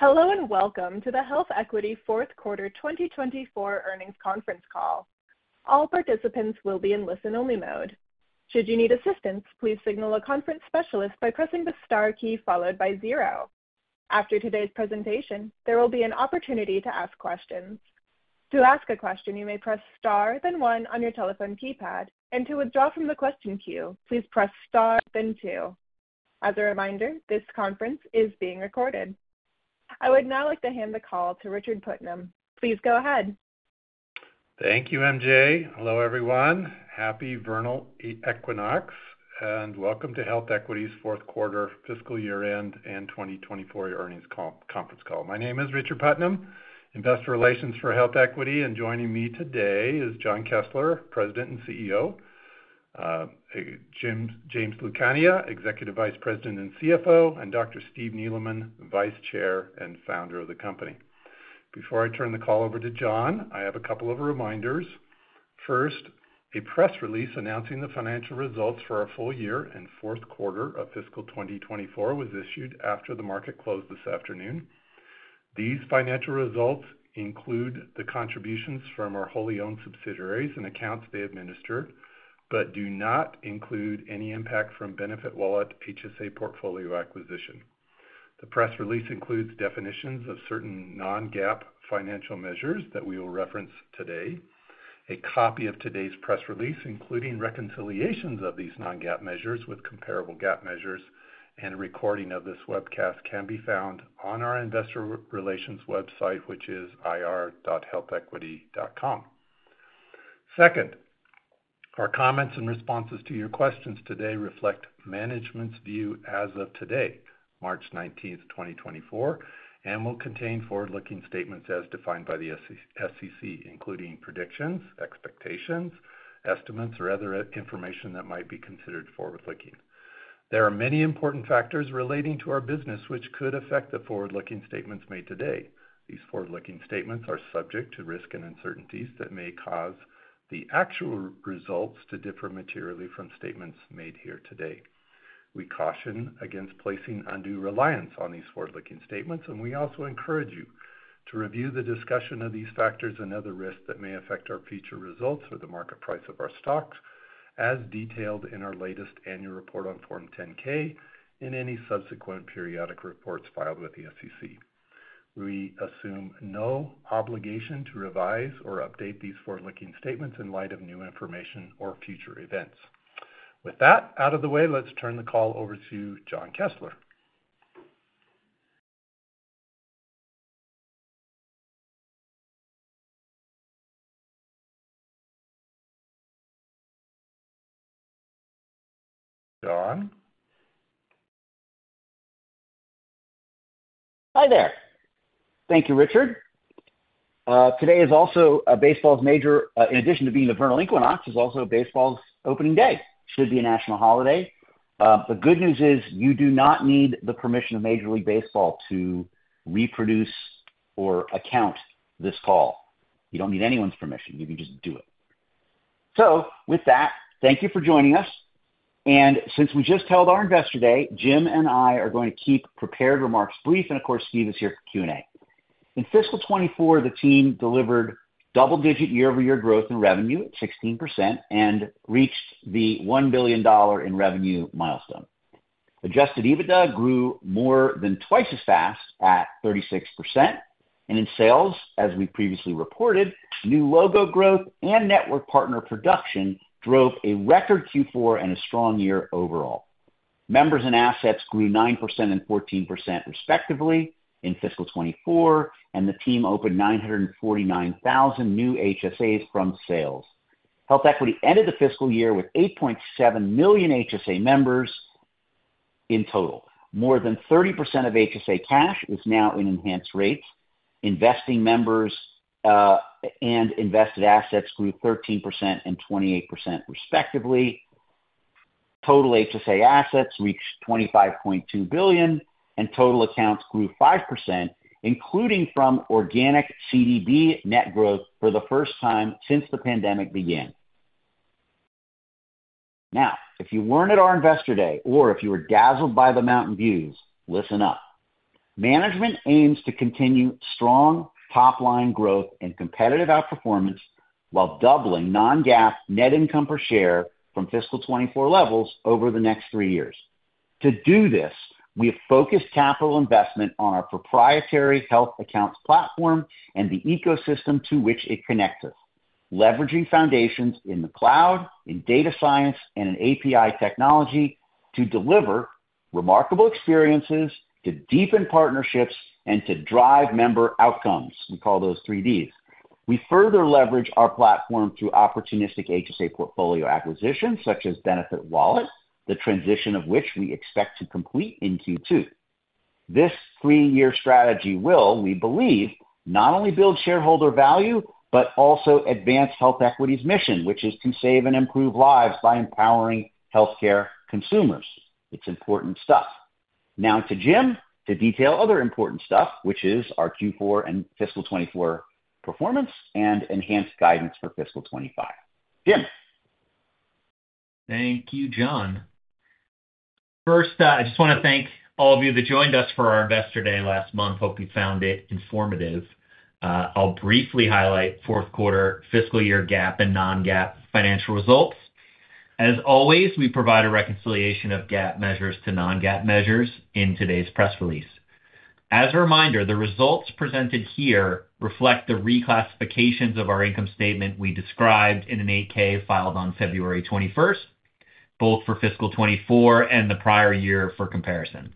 Hello, and welcome to the HealthEquity fourth quarter 2024 earnings conference call. All participants will be in listen-only mode. Should you need assistance, please signal a conference specialist by pressing the star key followed by zero. After today's presentation, there will be an opportunity to ask questions. To ask a question, you may press star, then one on your telephone keypad, and to withdraw from the question queue, please press star, then two. As a reminder, this conference is being recorded. I would now like to hand the call to Richard Putnam. Please go ahead. Thank you, MJ. Hello, everyone. Happy vernal equinox, and welcome to HealthEquity's fourth quarter fiscal year-end and 2024 earnings call, conference call. My name is Richard Putnam, Investor Relations for HealthEquity, and joining me today is Jon Kessler, President and CEO, Jim, James Lucania, Executive Vice President and CFO, and Dr. Steve Neeleman, Vice Chair and Founder of the company. Before I turn the call over to Jon, I have a couple of reminders. First, a press release announcing the financial results for our full year and fourth quarter of fiscal 2024 was issued after the market closed this afternoon. These financial results include the contributions from our wholly owned subsidiaries and accounts they administer, but do not include any impact from BenefitWallet HSA portfolio acquisition. The press release includes definitions of certain non-GAAP financial measures that we will reference today. A copy of today's press release, including reconciliations of these non-GAAP measures with comparable GAAP measures and a recording of this webcast, can be found on our investor relations website, which is ir.healthequity.com. Second, our comments and responses to your questions today reflect management's view as of today, March 19, 2024, and will contain forward-looking statements as defined by the SEC, including predictions, expectations, estimates, or other information that might be considered forward-looking. There are many important factors relating to our business, which could affect the forward-looking statements made today. These forward-looking statements are subject to risks and uncertainties that may cause the actual results to differ materially from statements made here today. We caution against placing undue reliance on these forward-looking statements, and we also encourage you to review the discussion of these factors and other risks that may affect our future results or the market price of our stocks, as detailed in our latest annual report on Form 10-K and any subsequent periodic reports filed with the SEC. We assume no obligation to revise or update these forward-looking statements in light of new information or future events. With that out of the way, let's turn the call over to Jon Kessler. Jon? Hi there. Thank you, Richard. Today is also a baseball's major. In addition to being the vernal equinox, is also baseball's opening day. Should be a national holiday. The good news is, you do not need the permission of Major League Baseball to reproduce or account this call. You don't need anyone's permission. You can just do it. So with that, thank you for joining us, and since we just held our Investor Day, Jim and I are going to keep prepared remarks brief, and of course, Steve is here for Q&A. In fiscal 2024, the team delivered double-digit year-over-year growth in revenue at 16% and reached the $1 billion in revenue milestone. Adjusted EBITDA grew more than twice as fast at 36%, and in sales, as we previously reported, new logo growth and network partner production drove a record Q4 and a strong year overall. Members and assets grew 9% and 14%, respectively, in fiscal 2024, and the team opened 949,000 new HSAs from sales. HealthEquity ended the fiscal year with 8.7 million HSA members in total. More than 30% of HSA cash is now in Enhanced Rates. Investing members and invested assets grew 13% and 28%, respectively. Total HSA assets reached $25.2 billion, and total accounts grew 5%, including from organic CDB net growth for the first time since the pandemic began. Now, if you weren't at our Investor Day, or if you were dazzled by the mountain views, listen up. Management aims to continue strong top-line growth and competitive outperformance while doubling non-GAAP net income per share from fiscal 2024 levels over the next three years. To do this, we have focused capital investment on our proprietary health accounts platform and the ecosystem to which it connects us, leveraging foundations in the cloud, in data science, and in API technology to deliver remarkable experiences, to deepen partnerships, and to drive member outcomes. We call those three Ds. We further leverage our platform through opportunistic HSA portfolio acquisitions, such as BenefitWallet, the transition of which we expect to complete in Q2. This three-year strategy will, we believe, not only build shareholder value, but also advance HealthEquity's mission, which is to save and improve lives by empowering healthcare consumers. It's important stuff. Now to Jim to detail other important stuff, which is our Q4 and fiscal 2024 performance and enhanced guidance for fiscal 2025. Jim? Thank you, Jon. First, I just want to thank all of you that joined us for our Investor Day last month. Hope you found it informative. I'll briefly highlight fourth quarter fiscal year GAAP and non-GAAP financial results. As always, we provide a reconciliation of GAAP measures to non-GAAP measures in today's press release. As a reminder, the results presented here reflect the reclassifications of our income statement we described in an 8-K filed on February 21, both for fiscal 2024 and the prior year for comparison.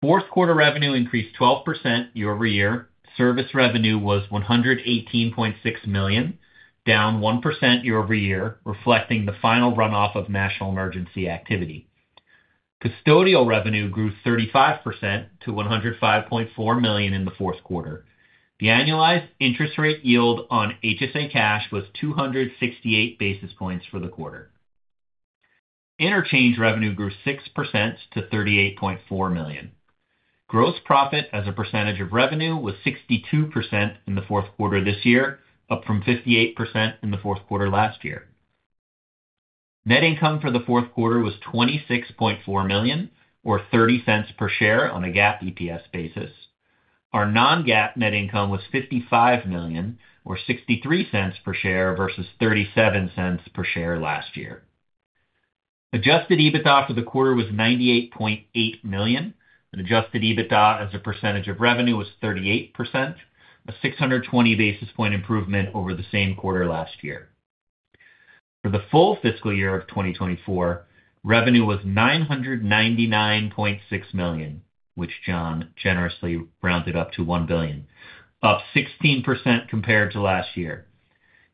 Fourth quarter revenue increased 12% year-over-year. Service revenue was $118.6 million, down 1% year-over-year, reflecting the final runoff of national emergency activity. Custodial revenue grew 35% to $105.4 million in the fourth quarter. The annualized interest rate yield on HSA cash was 268 basis points for the quarter. Interchange revenue grew 6% to $38.4 million. Gross profit as a percentage of revenue was 62% in the fourth quarter this year, up from 58% in the fourth quarter last year. Net income for the fourth quarter was $26.4 million, or $0.30 per share on a GAAP EPS basis. Our non-GAAP net income was $55 million, or $0.63 per share, versus $0.37 per share last year. Adjusted EBITDA for the quarter was $98.8 million, and adjusted EBITDA as a percentage of revenue was 38%, a 620 basis point improvement over the same quarter last year. For the full fiscal year of 2024, revenue was $999.6 million, which Jon generously rounded up to $1 billion, up 16% compared to last year.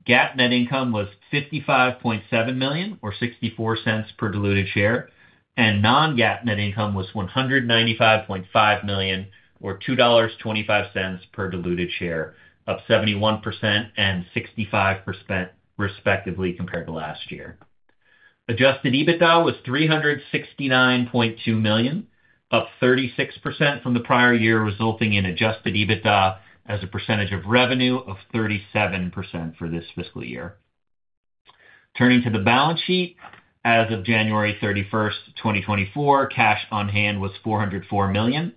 GAAP net income was $55.7 million, or $0.64 per diluted share, and non-GAAP net income was $195.5 million, or $2.25 per diluted share, up 71% and 65%, respectively, compared to last year. Adjusted EBITDA was $369.2 million, up 36% from the prior year, resulting in adjusted EBITDA as a percentage of revenue of 37% for this fiscal year. Turning to the balance sheet, as of January 31, 2024, cash on hand was $404 million,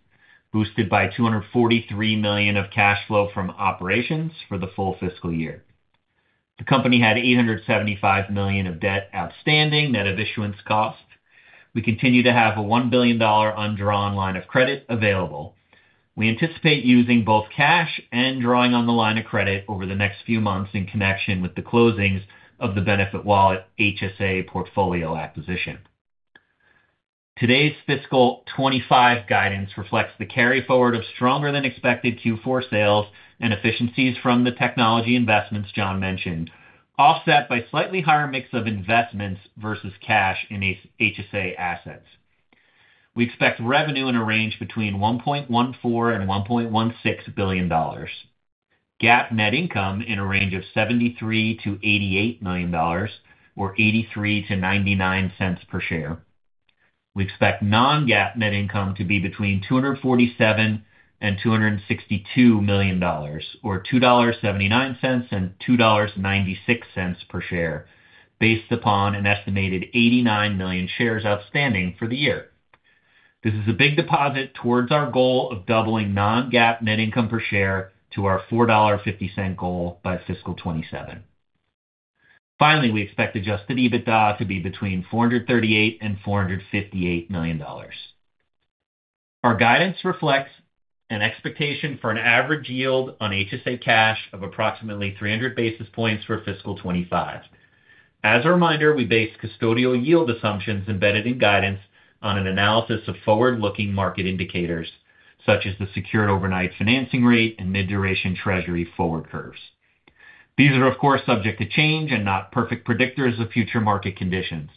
boosted by $243 million of cash flow from operations for the full fiscal year. The company had $875 million of debt outstanding, net of issuance costs. We continue to have a $1 billion undrawn line of credit available. We anticipate using both cash and drawing on the line of credit over the next few months in connection with the closings of the BenefitWallet HSA portfolio acquisition. Today's fiscal 2025 guidance reflects the carryforward of stronger-than-expected Q4 sales and efficiencies from the technology investments John mentioned, offset by slightly higher mix of investments versus cash in HSA assets. We expect revenue in a range between $1.14 billion and $1.16 billion. GAAP net income in a range of $73 million-$88 million, or 83-99 cents per share. We expect non-GAAP net income to be between $247 million-$262 million, or $2.79-$2.96 per share, based upon an estimated 89 million shares outstanding for the year. This is a big deposit towards our goal of doubling non-GAAP net income per share to our $4.50 goal by fiscal 2027. Finally, we expect adjusted EBITDA to be between $438 million-$458 million. Our guidance reflects an expectation for an average yield on HSA cash of approximately 300 basis points for fiscal 2025. As a reminder, we base custodial yield assumptions embedded in guidance on an analysis of forward-looking market indicators, such as the Secured Overnight Financing Rate and mid-duration Treasury forward curves. These are, of course, subject to change and not perfect predictors of future market conditions.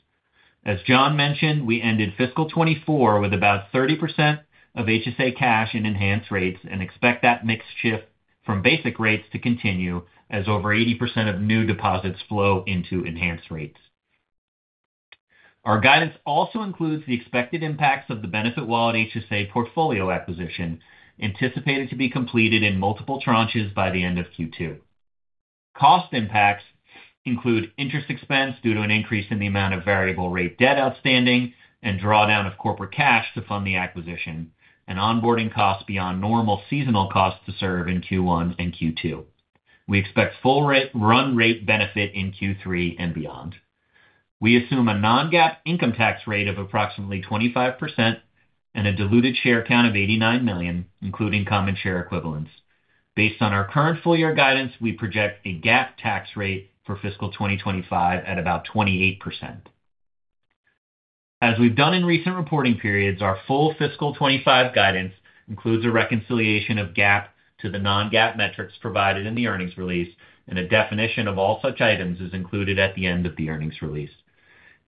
As John mentioned, we ended fiscal 2024 with about 30% of HSA cash in Enhanced Rates and expect that mix shift from Basic Rates to continue as over 80% of new deposits flow into Enhanced Rates. Our guidance also includes the expected impacts of the BenefitWallet HSA portfolio acquisition, anticipated to be completed in multiple tranches by the end of Q2. Cost impacts include interest expense due to an increase in the amount of variable rate debt outstanding and drawdown of corporate cash to fund the acquisition and onboarding costs beyond normal seasonal costs to serve in Q1 and Q2. We expect full run-rate benefit in Q3 and beyond. We assume a non-GAAP income tax rate of approximately 25% and a diluted share count of 89 million, including common share equivalents. Based on our current full year guidance, we project a GAAP tax rate for fiscal 2025 at about 28%. As we've done in recent reporting periods, our full fiscal 2025 guidance includes a reconciliation of GAAP to the non-GAAP metrics provided in the earnings release, and a definition of all such items is included at the end of the earnings release.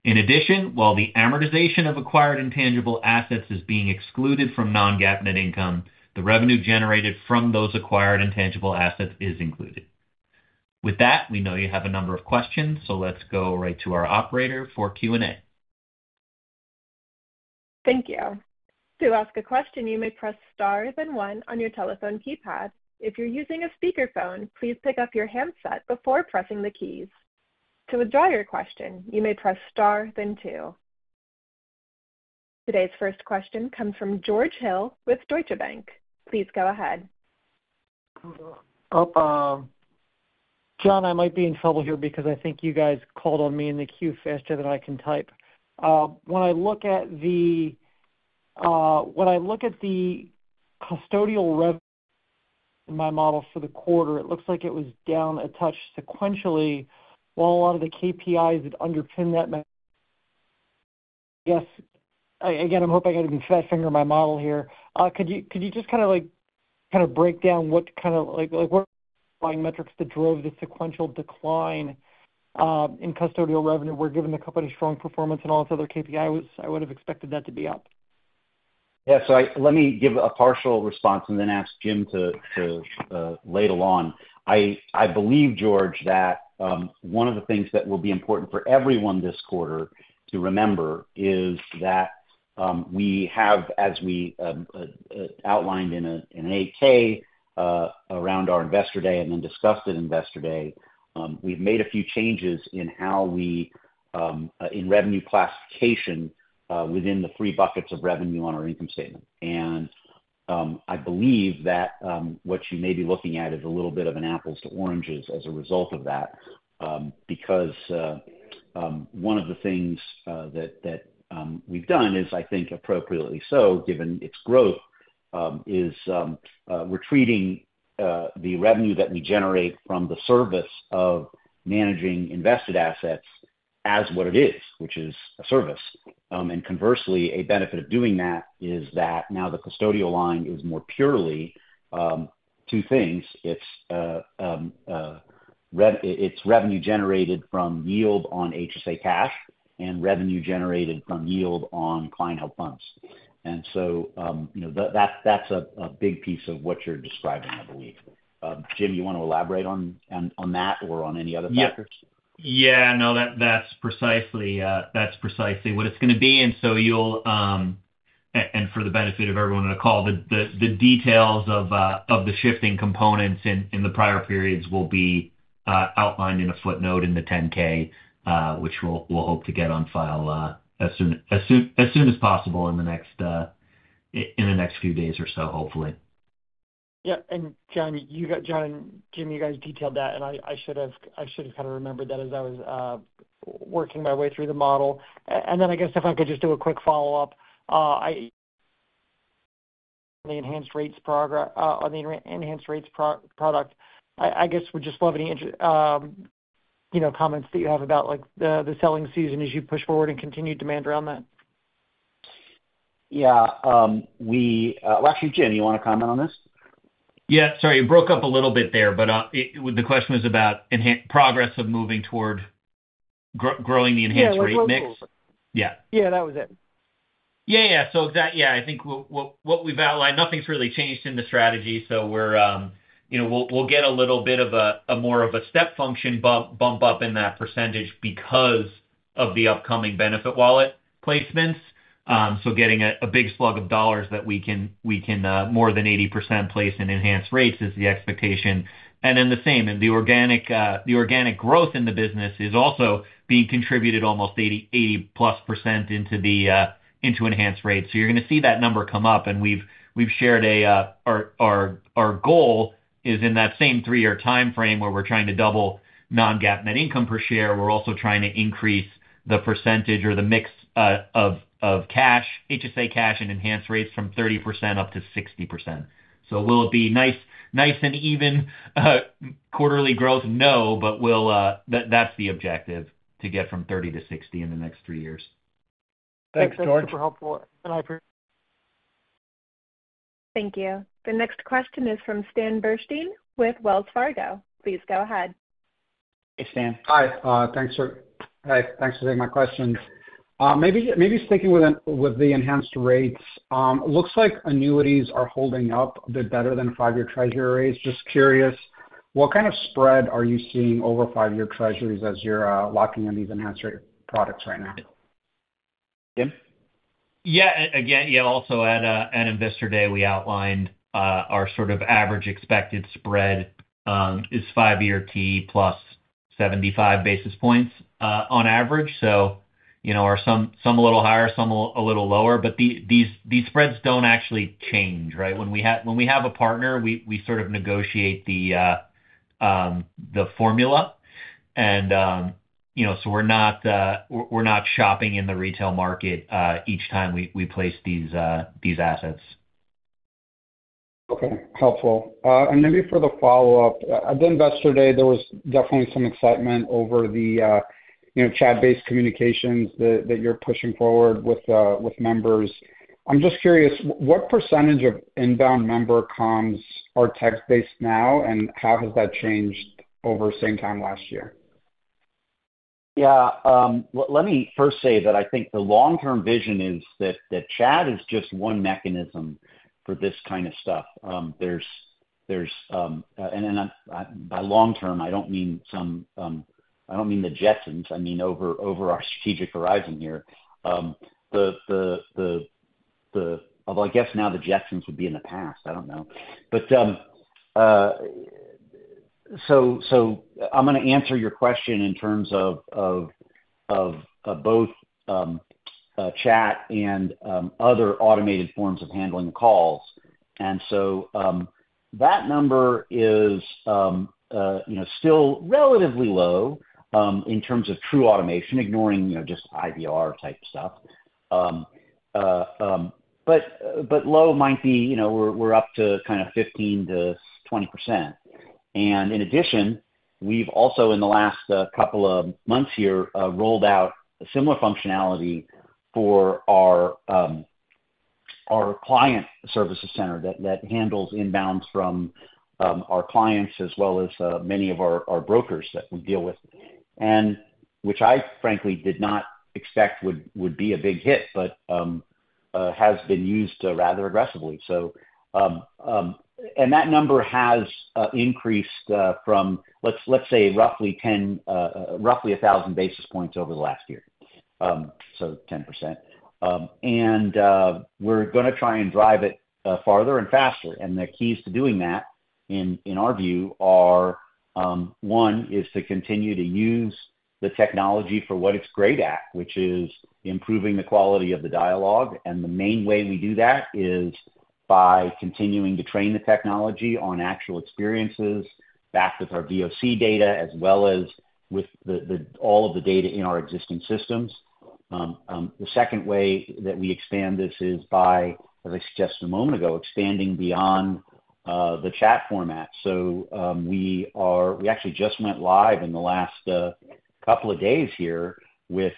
In addition, while the amortization of acquired intangible assets is being excluded from non-GAAP net income, the revenue generated from those acquired intangible assets is included. With that, we know you have a number of questions, so let's go right to our operator for Q&A.... Thank you. To ask a question, you may press star, then one on your telephone keypad. If you're using a speakerphone, please pick up your handset before pressing the keys. To withdraw your question, you may press star, then two. Today's first question comes from George Hill with Deutsche Bank. Please go ahead. Jon, I might be in trouble here because I think you guys called on me in the queue faster than I can type. When I look at the custodial rev in my model for the quarter, it looks like it was down a touch sequentially, while a lot of the KPIs that underpin that, I guess, again, I'm hoping I can fat finger my model here. Could you just kind of like break down what kind of like what metrics that drove the sequential decline in custodial revenue, where given the company's strong performance in all its other KPIs, I would have expected that to be up. Yeah, so let me give a partial response and then ask Jim to pile on. I believe, George, that one of the things that will be important for everyone this quarter to remember is that we have, as we outlined in an 8-K around our Investor Day and then discussed at Investor Day, we've made a few changes in how we in revenue classification within the three buckets of revenue on our income statement. I believe that what you may be looking at is a little bit of an apples to oranges as a result of that, because one of the things that we've done is, I think, appropriately so, given its growth, retreating the revenue that we generate from the service of managing invested assets as what it is, which is a service. And conversely, a benefit of doing that is that now the custodial line is more purely two things: it's its revenue generated from yield on HSA cash, and revenue generated from yield on client held funds. And so, you know, that's a big piece of what you're describing, I believe. Jim, you want to elaborate on that or on any other factors? Yeah. Yeah, no, that's precisely what it's going to be, and so you'll and for the benefit of everyone on the call, the details of the shifting components in the prior periods will be outlined in a footnote in the 10-K, which we'll hope to get on file as soon as possible in the next few days or so, hopefully. Yeah, and Jon, you got -- Jon and Jim, you guys detailed that, and I, I should have, I should have kind of remembered that as I was working my way through the model. And then I guess if I could just do a quick follow-up. The Enhanced Rates progress on the Enhanced Rates product. I, I guess would just love any, you know, comments that you have about like the, the selling season as you push forward and continue demand around that. Yeah, well, actually, Jim, you want to comment on this? Yeah, sorry, you broke up a little bit there, but the question was about progress of moving toward growing the enhanced rate mix? Yeah. Yeah. Yeah, that was it. Yeah, yeah. So yeah, I think what we've outlined, nothing's really changed in the strategy, so we're, you know, we'll get a little bit of a more of a step function bump up in that percentage because of the upcoming BenefitWallet placements. So getting a big slug of dollars that we can more than 80% place in Enhanced Rates is the expectation. And then the same, and the organic growth in the business is also being contributed almost 80, 80-plus% into Enhanced Rates. So you're going to see that number come up, and we've shared our goal is in that same three-year timeframe where we're trying to double non-GAAP net income per share, we're also trying to increase the percentage or the mix of cash, HSA cash and enhanced rates from 30% up to 60%. So will it be nice and even quarterly growth? No, but we'll that's the objective, to get from 30 to 60 in the next three years. Thanks, George. Super helpful. And I app- Thank you. The next question is from Stan Berenshteyn with Wells Fargo. Please go ahead. Hey, Stan. Hi, thanks for taking my questions. Maybe, maybe sticking with the, with the Enhanced Rates, it looks like annuities are holding up a bit better than five-year Treasury rates. Just curious, what kind of spread are you seeing over five-year Treasuries as you're locking in these Enhanced Rate products right now? Jim? Yeah, again, yeah, also at Investor Day, we outlined our sort of average expected spread is 5-year T plus 75 basis points on average. So, you know, some are a little higher, some a little lower, but these spreads don't actually change, right? When we have a partner, we sort of negotiate the formula. And, you know, so we're not shopping in the retail market each time we place these assets. Okay. Helpful. And maybe for the follow-up, at Investor Day, there was definitely some excitement over the, you know, chat-based communications that you're pushing forward with, with members. I'm just curious, what percentage of inbound member comms are text-based now, and how has that changed over the same time last year? Yeah, let me first say that I think the long-term vision is that, that chat is just one mechanism for this kind of stuff. There's-... there's and then by long term, I don't mean some, I don't mean the Jetsons, I mean over our strategic horizon here. Although I guess now the Jetsons would be in the past, I don't know. But so I'm gonna answer your question in terms of both chat and other automated forms of handling calls. And so that number is you know still relatively low in terms of true automation, ignoring you know just IVR-type stuff. But low might be you know we're up to kind of 15%-20%. In addition, we've also, in the last couple of months here, rolled out a similar functionality for our client services center that handles inbounds from our clients as well as many of our brokers that we deal with. Which I frankly did not expect would be a big hit, but has been used rather aggressively. And that number has increased from, let's say, roughly 1,000 basis points over the last year. So 10%. And we're gonna try and drive it farther and faster, and the keys to doing that, in our view, are one, to continue to use the technology for what it's great at, which is improving the quality of the dialogue. And the main way we do that is by continuing to train the technology on actual experiences, backed with our VOC data, as well as with all of the data in our existing systems. The second way that we expand this is by, as I suggested a moment ago, expanding beyond the chat format. We actually just went live in the last couple of days here with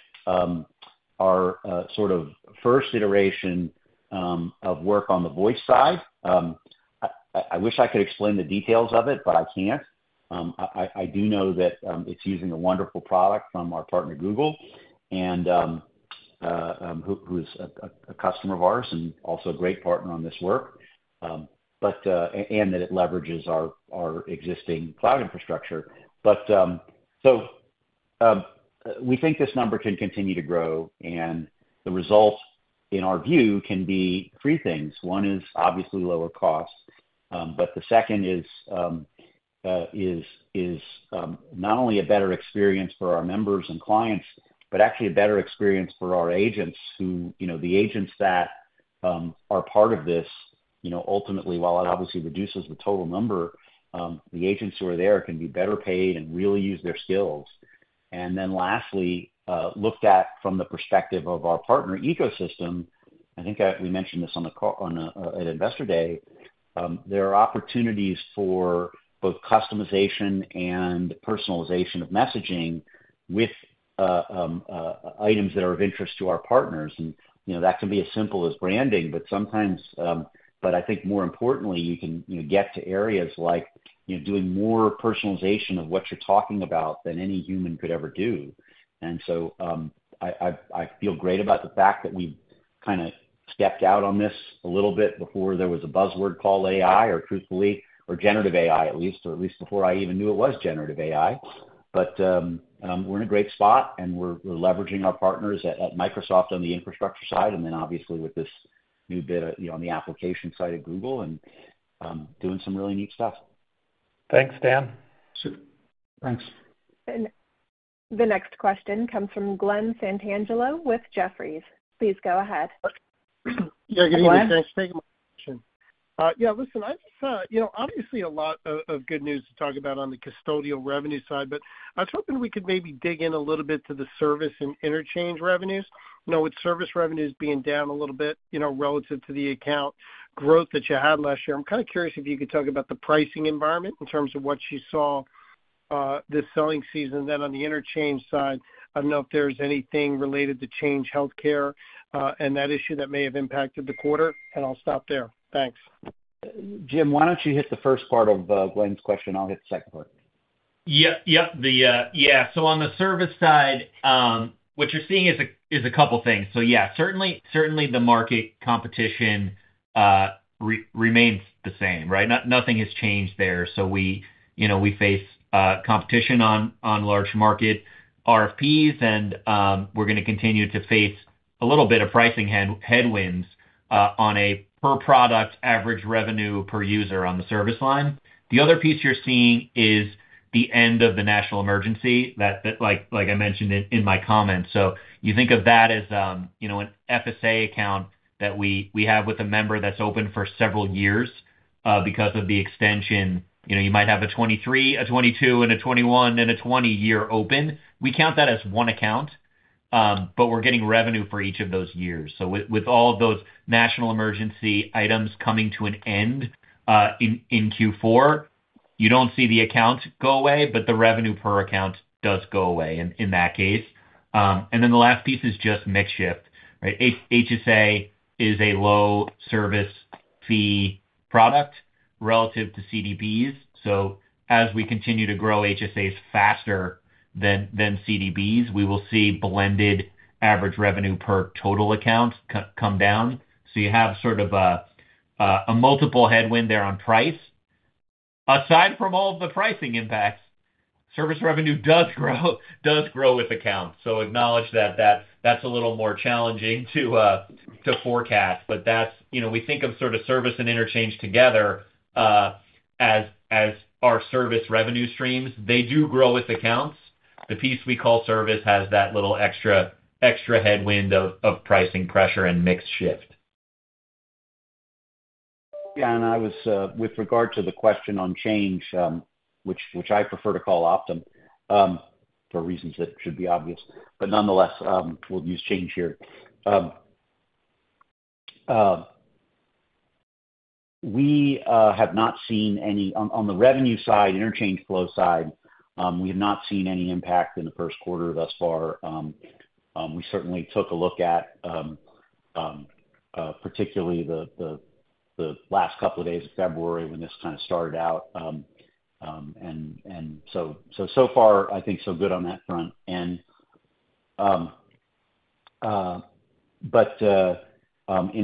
our sort of first iteration of work on the voice side. I wish I could explain the details of it, but I can't. I do know that it's using a wonderful product from our partner, Google, and who is a customer of ours and also a great partner on this work. that it leverages our existing cloud infrastructure. So, we think this number can continue to grow, and the results, in our view, can be three things. One is obviously lower cost, but the second is not only a better experience for our members and clients, but actually a better experience for our agents who, you know, the agents that are part of this, you know, ultimately, while it obviously reduces the total number, the agents who are there can be better paid and really use their skills. And then lastly, looked at from the perspective of our partner ecosystem, I think we mentioned this on, at Investor Day, there are opportunities for both customization and personalization of messaging with items that are of interest to our partners. And, you know, that can be as simple as branding, but sometimes, but I think more importantly, you can, you know, get to areas like, you know, doing more personalization of what you're talking about than any human could ever do. And so, I feel great about the fact that we've kind of stepped out on this a little bit before there was a buzzword called AI, or truthfully, or generative AI, at least before I even knew it was generative AI. But, we're in a great spot, and we're leveraging our partners at Microsoft on the infrastructure side, and then obviously with this new bit, you know, on the application side of Google, and doing some really neat stuff. Thanks, Jon. Sure. Thanks. The next question comes from Glenn Santangelo with Jefferies. Please go ahead. Yeah, good evening. Thanks for taking my question. Yeah, listen, I just, you know, obviously a lot of good news to talk about on the custodial revenue side, but I was hoping we could maybe dig in a little bit to the service and interchange revenues. You know, with service revenues being down a little bit, you know, relative to the account growth that you had last year, I'm kind of curious if you could talk about the pricing environment in terms of what you saw this selling season. Then on the interchange side, I don't know if there's anything related to Change Healthcare and that issue that may have impacted the quarter, and I'll stop there. Thanks. Jim, why don't you hit the first part of Glenn's question? I'll hit the second part. Yeah, yep. The, yeah. So on the service side, what you're seeing is a couple things. So yeah, certainly, certainly the market competition remains the same, right? Nothing has changed there, so we, you know, we face competition on large market RFPs, and, we're gonna continue to face a little bit of pricing headwinds on a per product average revenue per user on the service line. The other piece you're seeing is the end of the national emergency, that like I mentioned in my comments. So you think of that as, you know, an FSA account that we have with a member that's open for several years because of the extension. You know, you might have a 2023, a 2022, and a 2021, and a 2020 year open. We count that as one account, but we're getting revenue for each of those years. So with all of those national emergency items coming to an end in Q4, you don't see the account go away, but the revenue per account does go away in that case. And then the last piece is just mix shift, right? HSA is a low service fee product relative to CDBs, so as we continue to grow HSAs faster than CDBs, we will see blended average revenue per total account come down. So you have sort of a multiple headwind there on price. Aside from all the pricing impacts, service revenue does grow, does grow with accounts. So acknowledge that, that's a little more challenging to forecast. But that's, you know, we think of sort of service and interchange together as our service revenue streams. They do grow with accounts. The piece we call service has that little extra, extra headwind of pricing pressure and mix shift. Yeah, and I was with regard to the question on Change, which I prefer to call Optum, for reasons that should be obvious, but nonetheless, we'll use Change here. We have not seen any on the revenue side, interchange flow side, we have not seen any impact in the first quarter thus far. We certainly took a look at, particularly the last couple of days of February when this kind of started out. And so far, I think so good on that front. In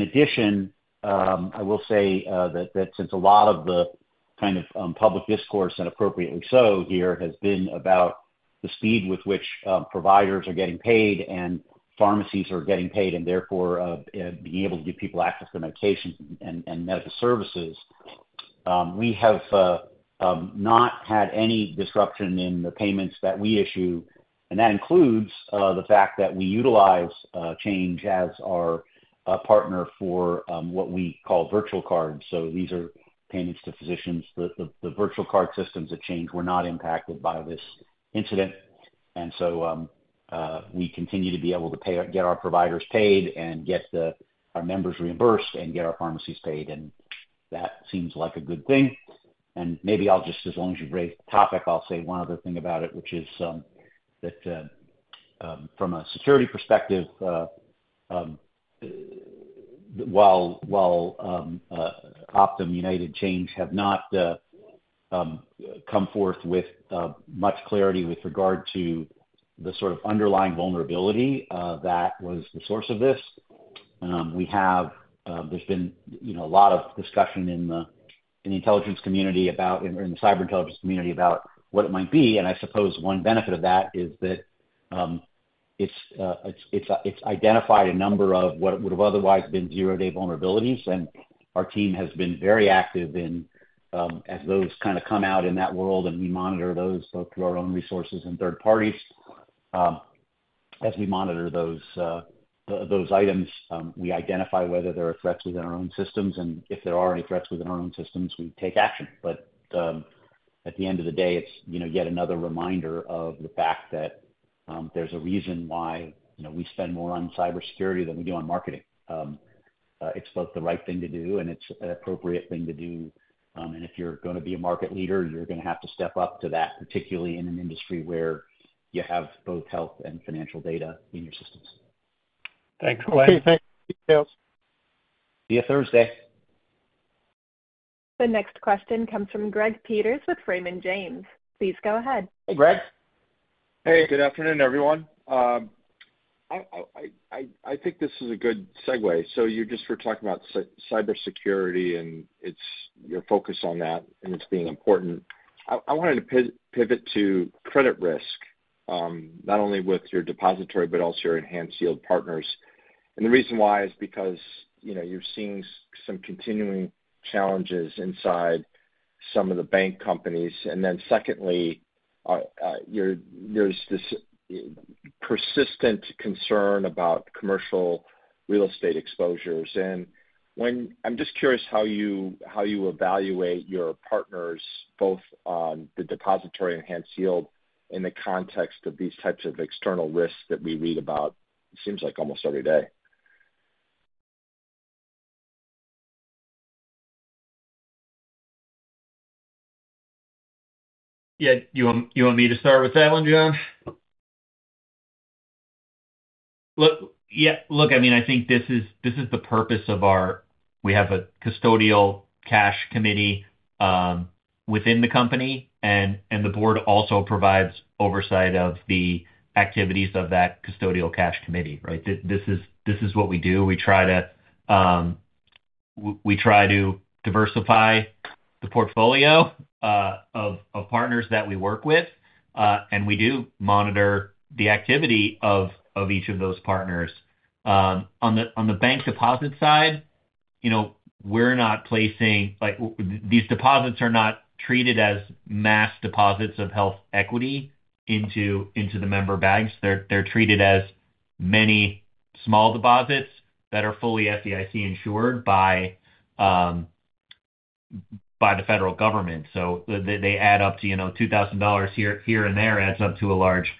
addition, I will say that since a lot of the kind of public discourse, and appropriately so here, has been about the speed with which providers are getting paid and pharmacies are getting paid, and therefore being able to give people access to medications and medical services, we have not had any disruption in the payments that we issue, and that includes the fact that we utilize Change as our partner for what we call virtual cards. So these are payments to physicians. The virtual card systems of Change were not impacted by this incident. And so, we continue to be able to pay our-- get our providers paid and get the, our members reimbursed and get our pharmacies paid, and that seems like a good thing. And maybe I'll just as long as you raise the topic, I'll say one other thing about it, which is, that, from a security perspective, while, while, Optum, United, Change have not, come forth with, much clarity with regard to the sort of underlying vulnerability, that was the source of this. We have-- there's been, you know, a lot of discussion in the, in the intelligence community about, in, in the cyber intelligence community, about what it might be. I suppose one benefit of that is that it's identified a number of what would have otherwise been zero-day vulnerabilities. And our team has been very active in as those kind of come out in that world, and we monitor those both through our own resources and third parties. As we monitor those, those items, we identify whether there are threats within our own systems, and if there are any threats within our own systems, we take action. But at the end of the day, it's you know yet another reminder of the fact that there's a reason why you know we spend more on cybersecurity than we do on marketing. It's both the right thing to do, and it's an appropriate thing to do. If you're gonna be a market leader, you're gonna have to step up to that, particularly in an industry where you have both health and financial data in your systems. Thanks, Glenn. Thanks, details. See you Thursday. The next question comes from Greg Peters with Raymond James. Please go ahead. Hey, Greg. Hey, good afternoon, everyone. I think this is a good segue. So you just were talking about cybersecurity, and it's your focus on that, and it's being important. I wanted to pivot to credit risk, not only with your depository, but also your enhanced yield partners. And the reason why is because, you know, you're seeing some continuing challenges inside some of the bank companies. And then secondly, there's this persistent concern about commercial real estate exposures. I'm just curious how you evaluate your partners, both on the depository enhanced yield, in the context of these types of external risks that we read about, it seems like almost every day. Yeah. You want me to start with that one, John? Look, yeah. Look, I mean, I think this is the purpose of our... We have a custodial cash committee within the company, and the board also provides oversight of the activities of that custodial cash committee, right? This is what we do. We try to diversify the portfolio of partners that we work with, and we do monitor the activity of each of those partners. On the bank deposit side, you know, we're not placing—like, these deposits are not treated as mass deposits of HealthEquity into the member banks. They're treated as many small deposits that are fully FDIC insured by the federal government. So they add up to, you know, $2,000 here and there, adds up to a large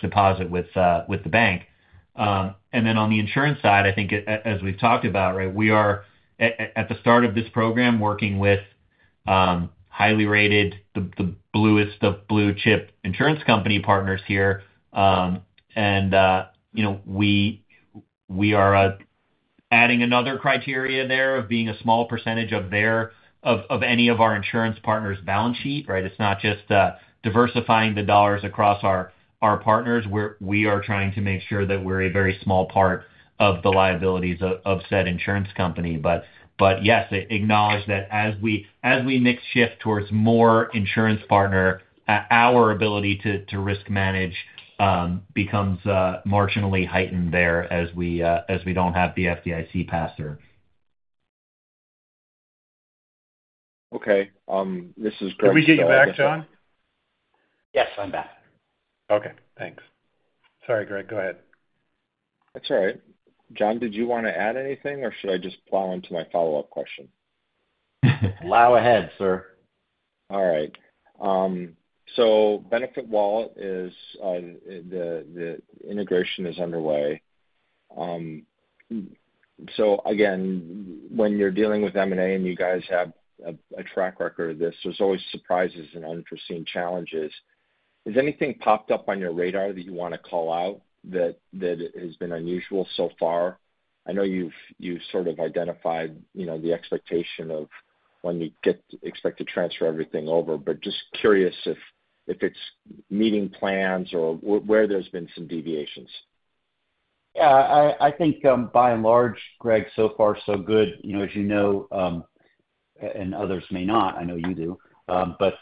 deposit with the bank. And then on the insurance side, I think as we've talked about, right, we are at the start of this program working with highly rated, the bluest of blue chip insurance company partners here. And you know, we are a-... adding another criteria there of being a small percentage of their of any of our insurance partners' balance sheet, right? It's not just diversifying the dollars across our partners. We are trying to make sure that we're a very small part of the liabilities of said insurance company. But yes, it acknowledged that as we mix shift towards more insurance partner, our ability to risk manage becomes marginally heightened there as we don't have the FDIC pass-through. Okay, this is Greg- Can we get you back, Jon? Yes, I'm back. Okay, thanks. Sorry, Greg, go ahead. That's all right. Jon, did you want to add anything, or should I just plow into my follow-up question? Go ahead, sir. All right. So BenefitWallet is, the integration is underway. So again, when you're dealing with M&A, and you guys have a track record of this, there's always surprises and unforeseen challenges. Has anything popped up on your radar that you wanna call out that has been unusual so far? I know you've sort of identified, you know, the expectation of when you expect to transfer everything over, but just curious if it's meeting plans or where there's been some deviations. Yeah, I think, by and large, Greg, so far, so good. You know, as you know, and others may not, I know you do, but,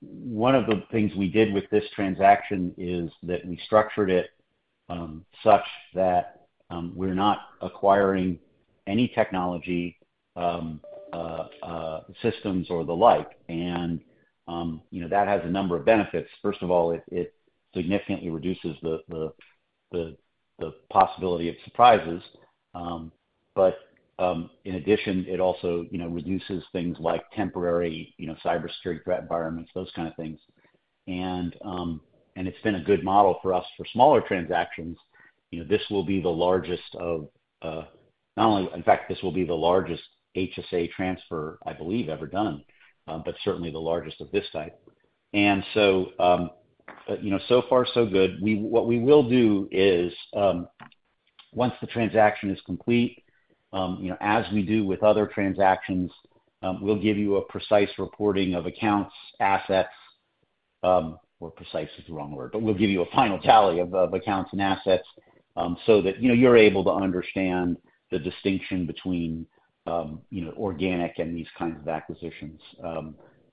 one of the things we did with this transaction is that we structured it, such that, we're not acquiring any technology, systems or the like, and, you know, that has a number of benefits. First of all, it significantly reduces the possibility of surprises. But, in addition, it also, you know, reduces things like temporary, you know, cybersecurity threat environments, those kind of things. And, it's been a good model for us. For smaller transactions, you know, this will be the largest of, not only... In fact, this will be the largest HSA transfer, I believe, ever done, but certainly the largest of this type. And so, you know, so far, so good. What we will do is, once the transaction is complete, you know, as we do with other transactions, we'll give you a precise reporting of accounts, assets. Well, precise is the wrong word, but we'll give you a final tally of accounts and assets, so that, you know, you're able to understand the distinction between, you know, organic and these kinds of acquisitions.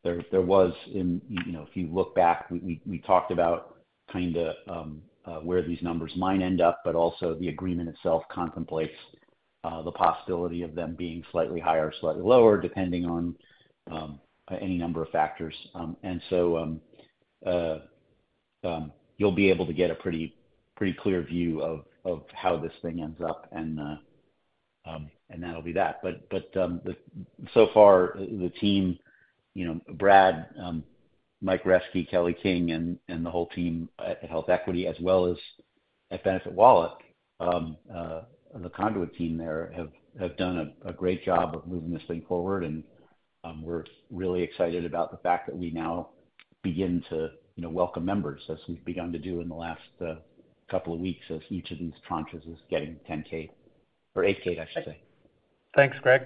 There was, you know, if you look back, we talked about kinda where these numbers might end up, but also the agreement itself contemplates the possibility of them being slightly higher or slightly lower, depending on any number of factors. And so, you'll be able to get a pretty, pretty clear view of how this thing ends up, and that'll be that. But so far, the team, you know, Brad, Mike Resky, Kelly King and the whole team at HealthEquity, as well as at BenefitWallet, the Conduent team there, have done a great job of moving this thing forward. And we're really excited about the fact that we now begin to, you know, welcome members, as we've begun to do in the last couple of weeks, as each of these tranches is getting 10-K or 8-K, I should say. Thanks, Greg.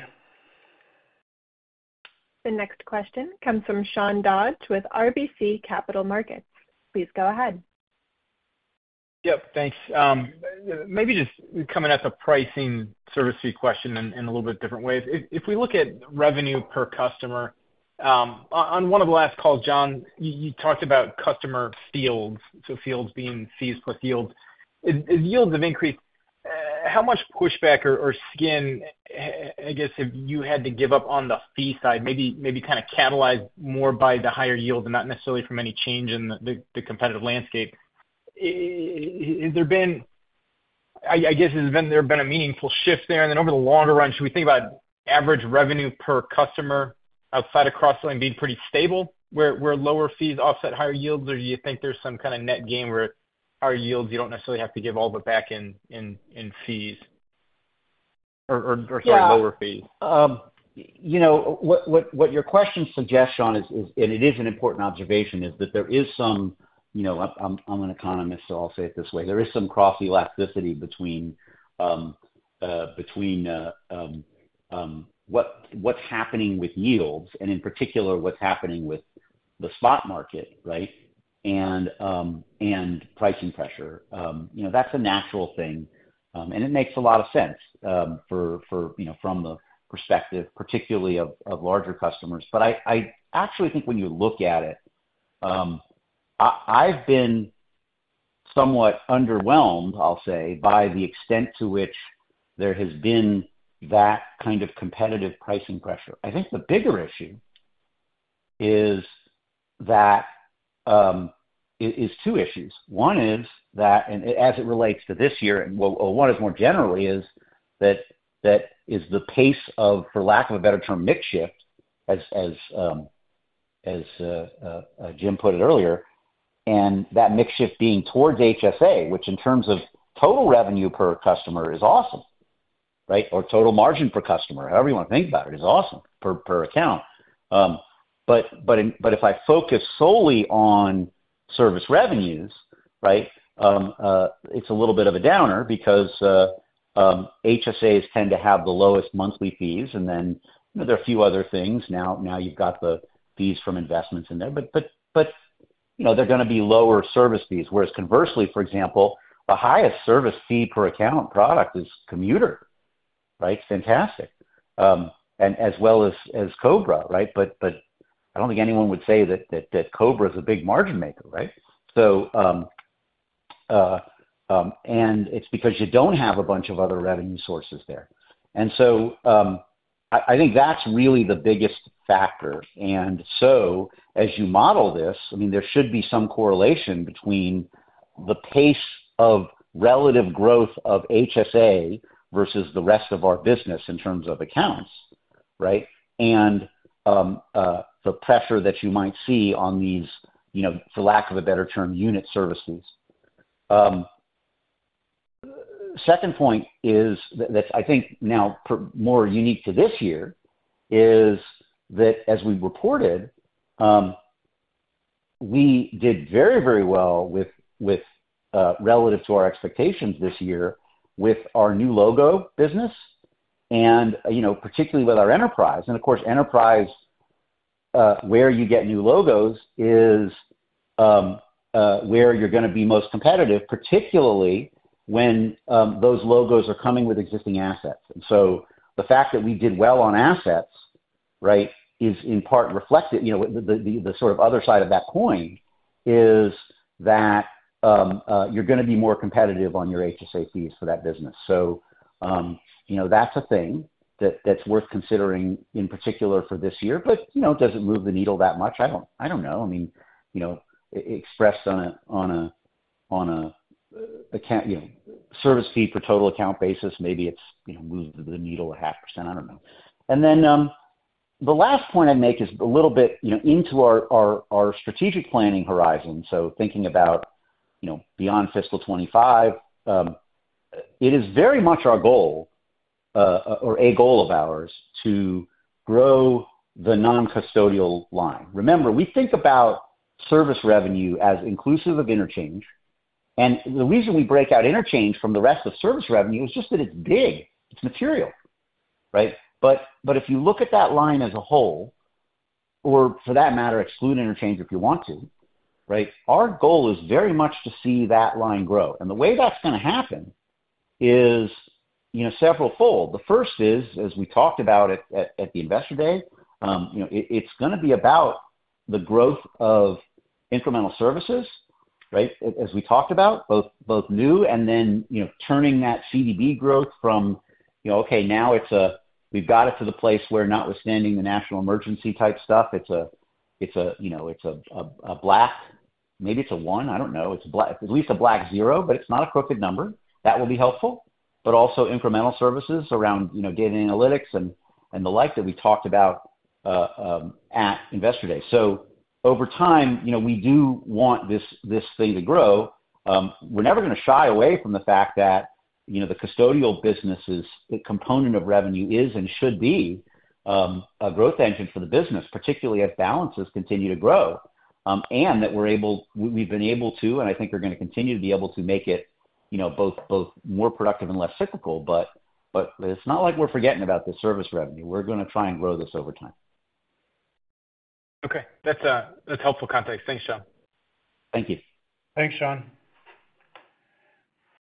The next question comes from Sean Dodge with RBC Capital Markets. Please go ahead. Yep, thanks. Maybe just coming at the pricing service fee question in a little bit different ways. If we look at revenue per customer, on one of the last calls, Jon, you talked about customer fields, so fields being fees plus yields. As yields have increased, how much pushback or skin, I guess, have you had to give up on the fee side? Maybe kind of catalyzed more by the higher yields and not necessarily from any change in the competitive landscape. Is there been... I guess, has there been a meaningful shift there? Then over the longer run, should we think about average revenue per customer outside of cross-selling being pretty stable, where lower fees offset higher yields, or do you think there's some kind of net gain where higher yields, you don't necessarily have to give all of it back in fees or sorry, lower fees? Yeah. You know, what your question suggests, Sean, is, and it is an important observation, is that there is some, you know, I'm an economist, so I'll say it this way, there is some cross-elasticity between, between, what's happening with yields and, in particular, what's happening with the spot market, right? And, and pricing pressure. You know, that's a natural thing, and it makes a lot of sense, for, for, you know, from the perspective, particularly of larger customers. But I actually think when you look at it, I've been somewhat underwhelmed, I'll say, by the extent to which there has been that kind of competitive pricing pressure. I think the bigger issue is that, it is two issues. One is that, and as it relates to this year, and one is more generally is, that is the pace of, for lack of a better term, mix shift, as Jim put it earlier, and that mix shift being towards HSA, which in terms of total revenue per customer is awesome, right? Or total margin per customer, however you want to think about it, is awesome per account. But if I focus solely on service revenues, right? It's a little bit of a downer because HSAs tend to have the lowest monthly fees, and then, you know, there are a few other things. Now you've got the fees from investments in there. But, you know, they're gonna be lower service fees. Whereas conversely, for example, the highest service fee per account product is commuter, right? It's fantastic. And as well as, as COBRA, right? But I don't think anyone would say that COBRA is a big margin maker, right? So, and it's because you don't have a bunch of other revenue sources there. And so, I think that's really the biggest factor. And so, as you model this, I mean, there should be some correlation between the pace of relative growth of HSA versus the rest of our business in terms of accounts, right? And, the pressure that you might see on these, you know, for lack of a better term, unit services. Second point is that I think now more unique to this year, is that as we reported, we did very, very well with relative to our expectations this year, with our new logo business and, you know, particularly with our enterprise. And of course, enterprise where you get new logos is where you're gonna be most competitive, particularly when those logos are coming with existing assets. And so the fact that we did well on assets, right, is in part reflected. You know, the sort of other side of that coin is that you're gonna be more competitive on your HSA fees for that business. So, you know, that's a thing that's worth considering, in particular for this year, but, you know, it doesn't move the needle that much. I don't know. I mean, you know, expressed on a service fee per total account basis, maybe it's, you know, moves the needle 0.5%, I don't know. And then the last point I'd make is a little bit, you know, into our strategic planning horizon. So thinking about, you know, beyond fiscal 25, it is very much our goal, or a goal of ours to grow the non-custodial line. Remember, we think about service revenue as inclusive of interchange, and the reason we break out interchange from the rest of service revenue is just that it's big, it's material, right? But if you look at that line as a whole, or for that matter, exclude interchange if you want to, right? Our goal is very much to see that line grow. The way that's gonna happen is, you know, severalfold. The first is, as we talked about at the Investor Day, you know, it's gonna be about the growth of incremental services, right? As we talked about, both new and then, you know, turning that CDB growth from, you know, okay, now it's, we've got it to the place where notwithstanding the national emergency-type stuff, it's a, it's a, you know, it's a black—maybe it's a one, I don't know. It's black... At least a black zero, but it's not a crooked number. That will be helpful. But also incremental services around, you know, data analytics and the like, that we talked about at Investor Day. So over time, you know, we do want this thing to grow. We're never gonna shy away from the fact that, you know, the custodial business is a component of revenue, is and should be, a growth engine for the business, particularly as balances continue to grow. And that we're able- we've been able to, and I think we're gonna continue to be able to make it, you know, both, both more productive and less cyclical. But it's not like we're forgetting about the service revenue. We're gonna try and grow this over time. Okay. That's, that's helpful context. Thanks you. Thank you. Thanks, Sean.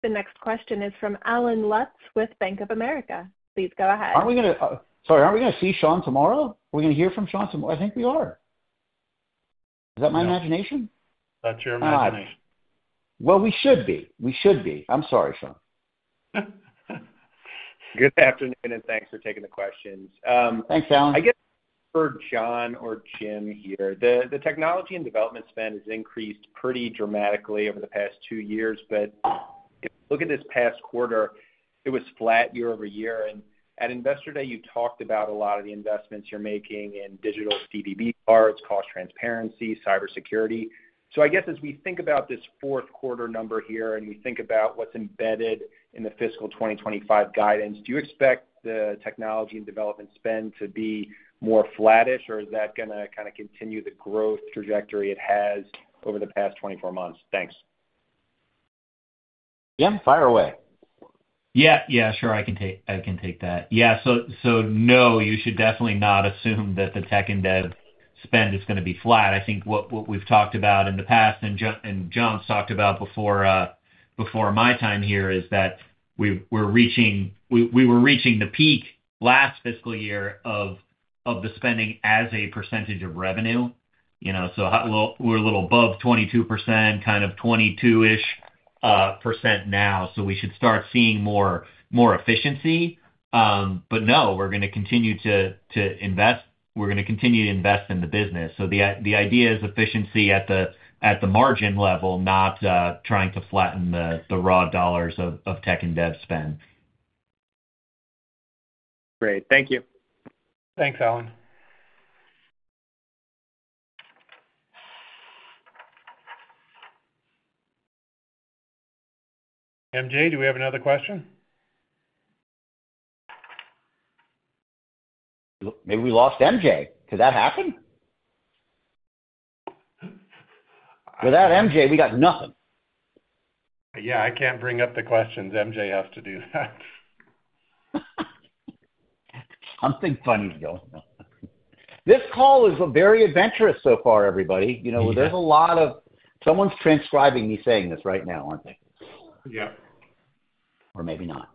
The next question is from Allen Lutz with Bank of America. Please go ahead. Sorry, aren't we gonna see Sean tomorrow? Are we gonna hear from Sean tomorrow? I think we are. Is that my imagination? That's your imagination. Well, we should be. We should be. I'm sorry, Sean. Good afternoon, and thanks for taking the questions. Thanks, Allen. I guess for Jon or Jim here, the technology and development spend has increased pretty dramatically over the past two years, but if you look at this past quarter, it was flat year-over-year. And at Investor Day, you talked about a lot of the investments you're making in digital CDB cards, cost transparency, cybersecurity. So I guess as we think about this fourth quarter number here, and we think about what's embedded in the fiscal 2025 guidance, do you expect the technology and development spend to be more flattish, or is that gonna kinda continue the growth trajectory it has over the past 24 months? Thanks. Jim, fire away. Yeah. Yeah, sure. I can take that. Yeah, so no, you should definitely not assume that the tech and dev spend is gonna be flat. I think what we've talked about in the past, and Jon and Jon's talked about before, before my time here, is that we were reaching the peak last fiscal year of the spending as a percentage of revenue, you know, so we're a little above 22%, kind of 22-ish% now. So we should start seeing more efficiency. But no, we're gonna continue to invest in the business. So the idea is efficiency at the margin level, not trying to flatten the raw dollars of tech and dev spend. Great. Thank you. Thanks, Allen. MJ, do we have another question?... Maybe we lost MJ. Did that happen? Without MJ, we got nothing. Yeah, I can't bring up the questions. MJ has to do that. Something funny is going on. This call is very adventurous so far, everybody. It is. You know, someone's transcribing me saying this right now, aren't they? Yep. Or maybe not.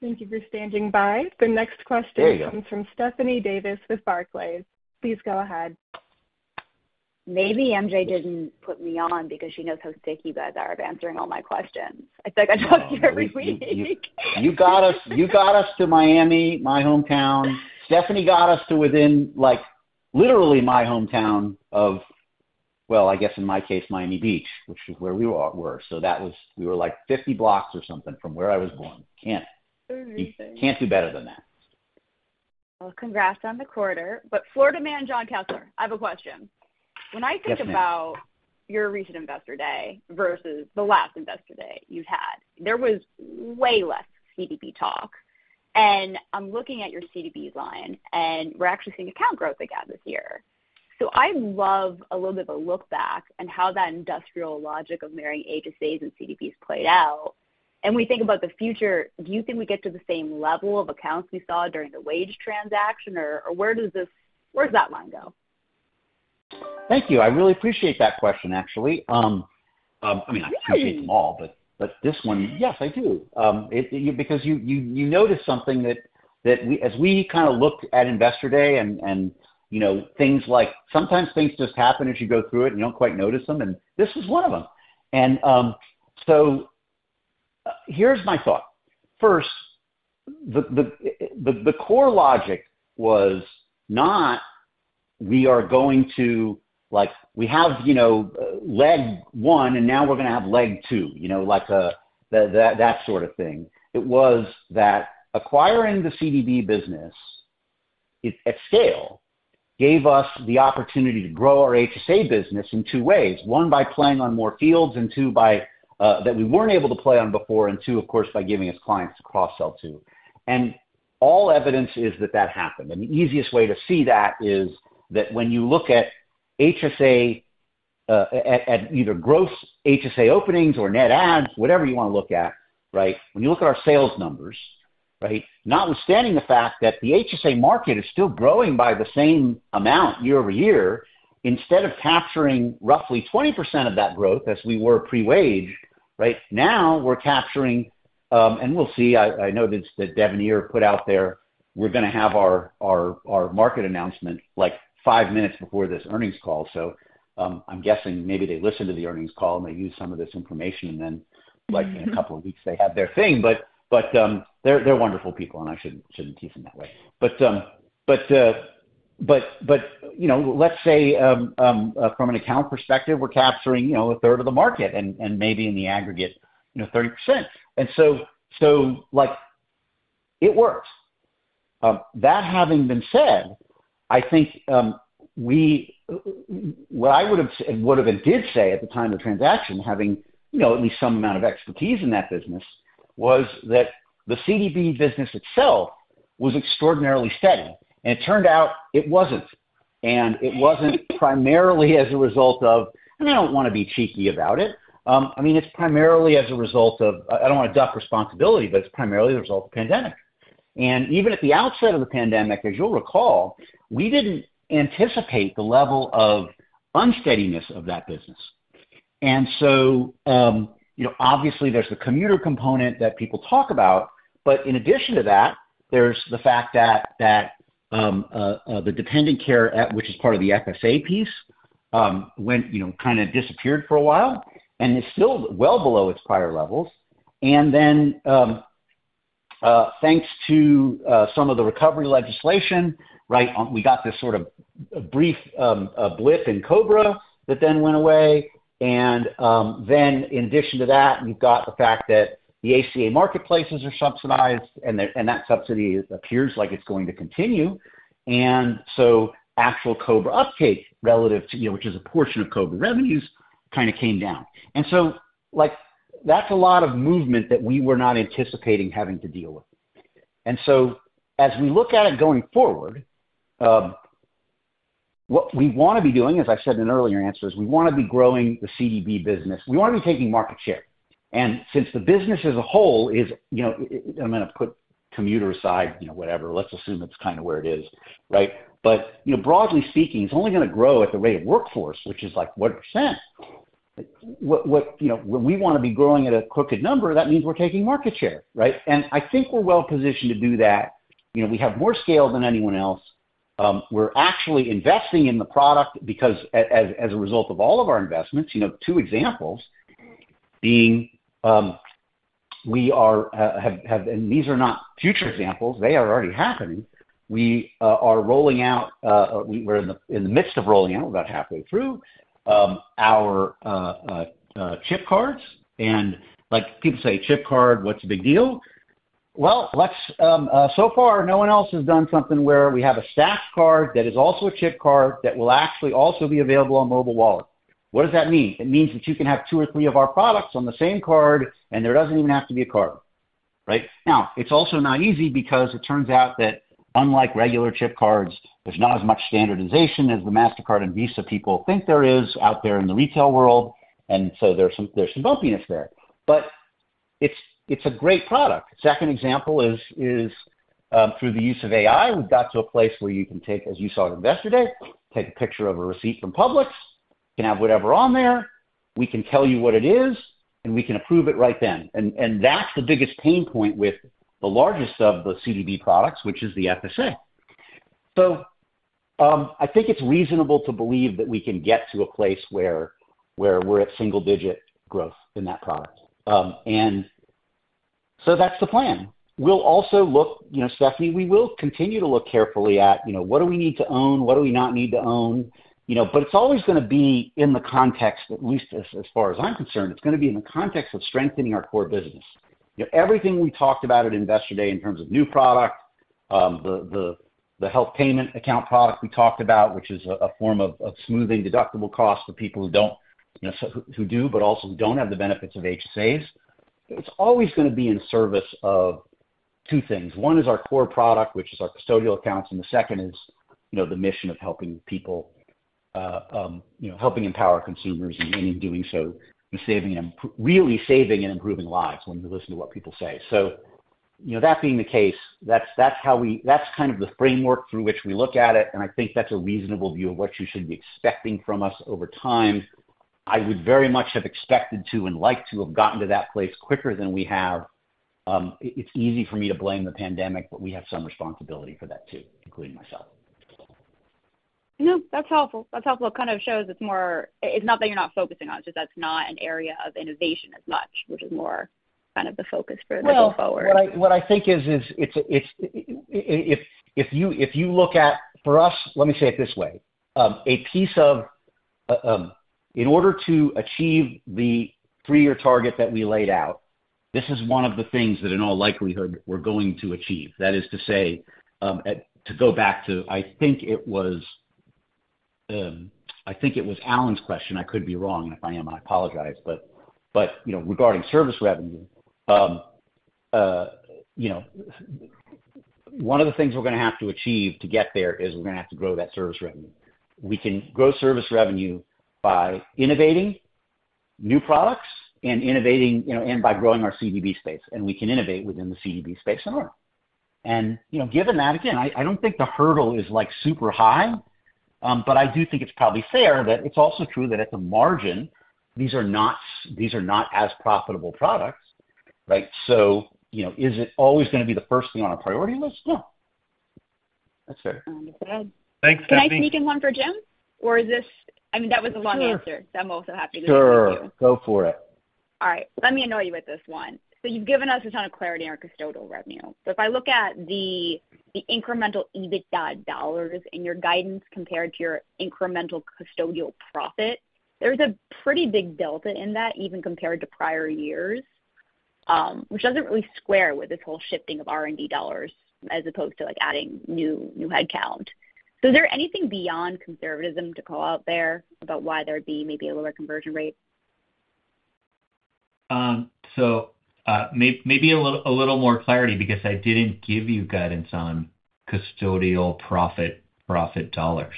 Thank you for standing by. The next question- There you go. comes from Stephanie Davis with Barclays. Please go ahead. Maybe MJ didn't put me on because she knows how sticky you guys are of answering all my questions. I talk to you every week. You got us to Miami, my hometown. Stephanie got us to within, like, literally my hometown of, well, I guess in my case, Miami Beach, which is where we all were. So that was... We were, like, 50 blocks or something from where I was born. Can't- Amazing. You can't do better than that. Well, congrats on the quarter. Florida Man Jon Kessler, I have a question. Yes, ma'am. When I think about your recent Investor Day versus the last Investor Day you had, there was way less CDB talk. I'm looking at your CDB line, and we're actually seeing account growth again this year. I love a little bit of a look back and how that industrial logic of marrying HSAs and CDBs played out. When we think about the future, do you think we get to the same level of accounts we saw during the WageWorks transaction, or, or where does this—where does that line go? Thank you. I really appreciate that question, actually. I mean- Really? I appreciate them all, but this one, yes, I do. Because you noticed something that we, as we kind of looked at Investor Day and, you know, things like, sometimes things just happen as you go through it, and you don't quite notice them, and this is one of them. So, here's my thought. First, the core logic was not, we are going to... Like, we have, you know, leg one, and now we're gonna have leg two, you know, like, that sort of thing. It was that acquiring the CDB business at scale, gave us the opportunity to grow our HSA business in two ways. One, by playing on more fields, and two, by... That we weren't able to play on before, and two, of course, by giving us clients to cross-sell to. All evidence is that that happened. The easiest way to see that is that when you look at HSA at either gross HSA openings or net adds, whatever you wanna look at, right? When you look at our sales numbers, right, notwithstanding the fact that the HSA market is still growing by the same amount year-over-year, instead of capturing roughly 20% of that growth as we were pre-wage, right, now we're capturing... We'll see. I know that Devenir here put out there, we're gonna have our market announcement like 5 minutes before this earnings call. So, I'm guessing maybe they listened to the earnings call, and they used some of this information, and then- Mm-hmm... like, in a couple of weeks, they have their thing. But they're wonderful people, and I shouldn't tease them that way. But you know, let's say from an account perspective, we're capturing, you know, a third of the market and maybe in the aggregate, you know, 30%. And so, like, it works. That having been said, I think what I would've and did say at the time of transaction, having, you know, at least some amount of expertise in that business, was that the CDB business itself was extraordinarily steady, and it turned out it wasn't. And it wasn't primarily as a result of... And I don't wanna be cheeky about it. I mean, it's primarily as a result of... I don't wanna duck responsibility, but it's primarily the result of the pandemic. And even at the outset of the pandemic, as you'll recall, we didn't anticipate the level of unsteadiness of that business. And so, you know, obviously there's the commuter component that people talk about, but in addition to that, there's the fact that the dependent care, which is part of the FSA piece, went, you know, kind of disappeared for a while, and it's still well below its prior levels. And then, thanks to some of the recovery legislation, right, we got this sort of brief a blip in COBRA that then went away. And then in addition to that, you've got the fact that the ACA marketplaces are subsidized, and that subsidy appears like it's going to continue. And so actual COBRA uptake relative to, you know, which is a portion of COBRA revenues, kind of came down. And so, like, that's a lot of movement that we were not anticipating having to deal with. And so as we look at it going forward, what we wanna be doing, as I said in earlier answers, we wanna be growing the CDB business. We wanna be taking market share. And since the business as a whole is, you know, I'm gonna put commuter aside, you know, whatever, let's assume it's kind of where it is, right? But, you know, broadly speaking, it's only gonna grow at the rate of workforce, which is, like, 1%. What, you know, when we wanna be growing at a crooked number, that means we're taking market share, right? And I think we're well positioned to do that. You know, we have more scale than anyone else. We're actually investing in the product because as a result of all of our investments, you know, two examples being. And these are not future examples, they are already happening. We are rolling out, we're in the midst of rolling out, we're about halfway through, our chip cards. And like people say, "Chip card, what's the big deal?" Well, let's so far, no one else has done something where we have a stacked card that is also a chip card, that will actually also be available on mobile wallet. What does that mean? It means that you can have two or three of our products on the same card, and there doesn't even have to be a card, right? Now, it's also not easy because it turns out that unlike regular chip cards, there's not as much standardization as the Mastercard and Visa people think there is out there in the retail world, and so there's some bumpiness there. But it's a great product. Second example is through the use of AI, we've got to a place where you can take, as you saw at Investor Day, take a picture of a receipt from Publix, can have whatever on there, we can tell you what it is, and we can approve it right then. And that's the biggest pain point with the largest of the CDB products, which is the FSA. So, I think it's reasonable to believe that we can get to a place where we're at single-digit growth in that product. And so that's the plan. We'll also look, you know, Stephanie, we will continue to look carefully at, you know, what do we need to own? What do we not need to own? You know, but it's always gonna be in the context, at least as far as I'm concerned, it's gonna be in the context of strengthening our core business. You know, everything we talked about at Investor Day in terms of new product, the Health Payment Account product we talked about, which is a form of smoothing deductible costs for people who don't, you know, who do, but also don't have the benefits of HSAs. It's always gonna be in service of two things. One is our core product, which is our custodial accounts, and the second is, you know, the mission of helping people, you know, helping empower consumers and, and in doing so, and saving and really saving and improving lives when you listen to what people say. So, you know, that being the case, that's, that's how we, that's kind of the framework through which we look at it, and I think that's a reasonable view of what you should be expecting from us over time. I would very much have expected to and liked to have gotten to that place quicker than we have. It's easy for me to blame the pandemic, but we have some responsibility for that, too, including myself. You know, that's helpful. That's helpful. It kind of shows it's more... It's not that you're not focusing on, it's just that's not an area of innovation as much, which is more kind of the focus for going forward. Well, what I think is, it's if you look at, for us, let me say it this way. A piece of in order to achieve the three-year target that we laid out, this is one of the things that in all likelihood, we're going to achieve. That is to say, to go back to, I think it was, I think it was Alan's question. I could be wrong, and if I am, I apologize. But, you know, regarding service revenue, you know, one of the things we're gonna have to achieve to get there is we're gonna have to grow that service revenue. We can grow service revenue by innovating new products and innovating, you know, and by growing our CDB space, and we can innovate within the CDB space and more. You know, given that, again, I don't think the hurdle is, like, super high, but I do think it's probably fair that it's also true that at the margin, these are not as profitable products, right? So, you know, is it always gonna be the first thing on our priority list? No. That's fair. Understood. Thanks, Stephanie. Can I sneak in one for Jim, or is this... I mean, that was a long answer. Sure. I'm also happy to- Sure. Go for it. All right. Let me annoy you with this one. So you've given us a ton of clarity on our custodial revenue. So if I look at the, the incremental EBITDA dollars in your guidance compared to your incremental custodial profit, there's a pretty big delta in that, even compared to prior years, which doesn't really square with this whole shifting of R&D dollars as opposed to, like, adding new, new headcount. So is there anything beyond conservatism to call out there about why there'd be maybe a lower conversion rate? So, maybe a little more clarity because I didn't give you guidance on custodial profit dollars.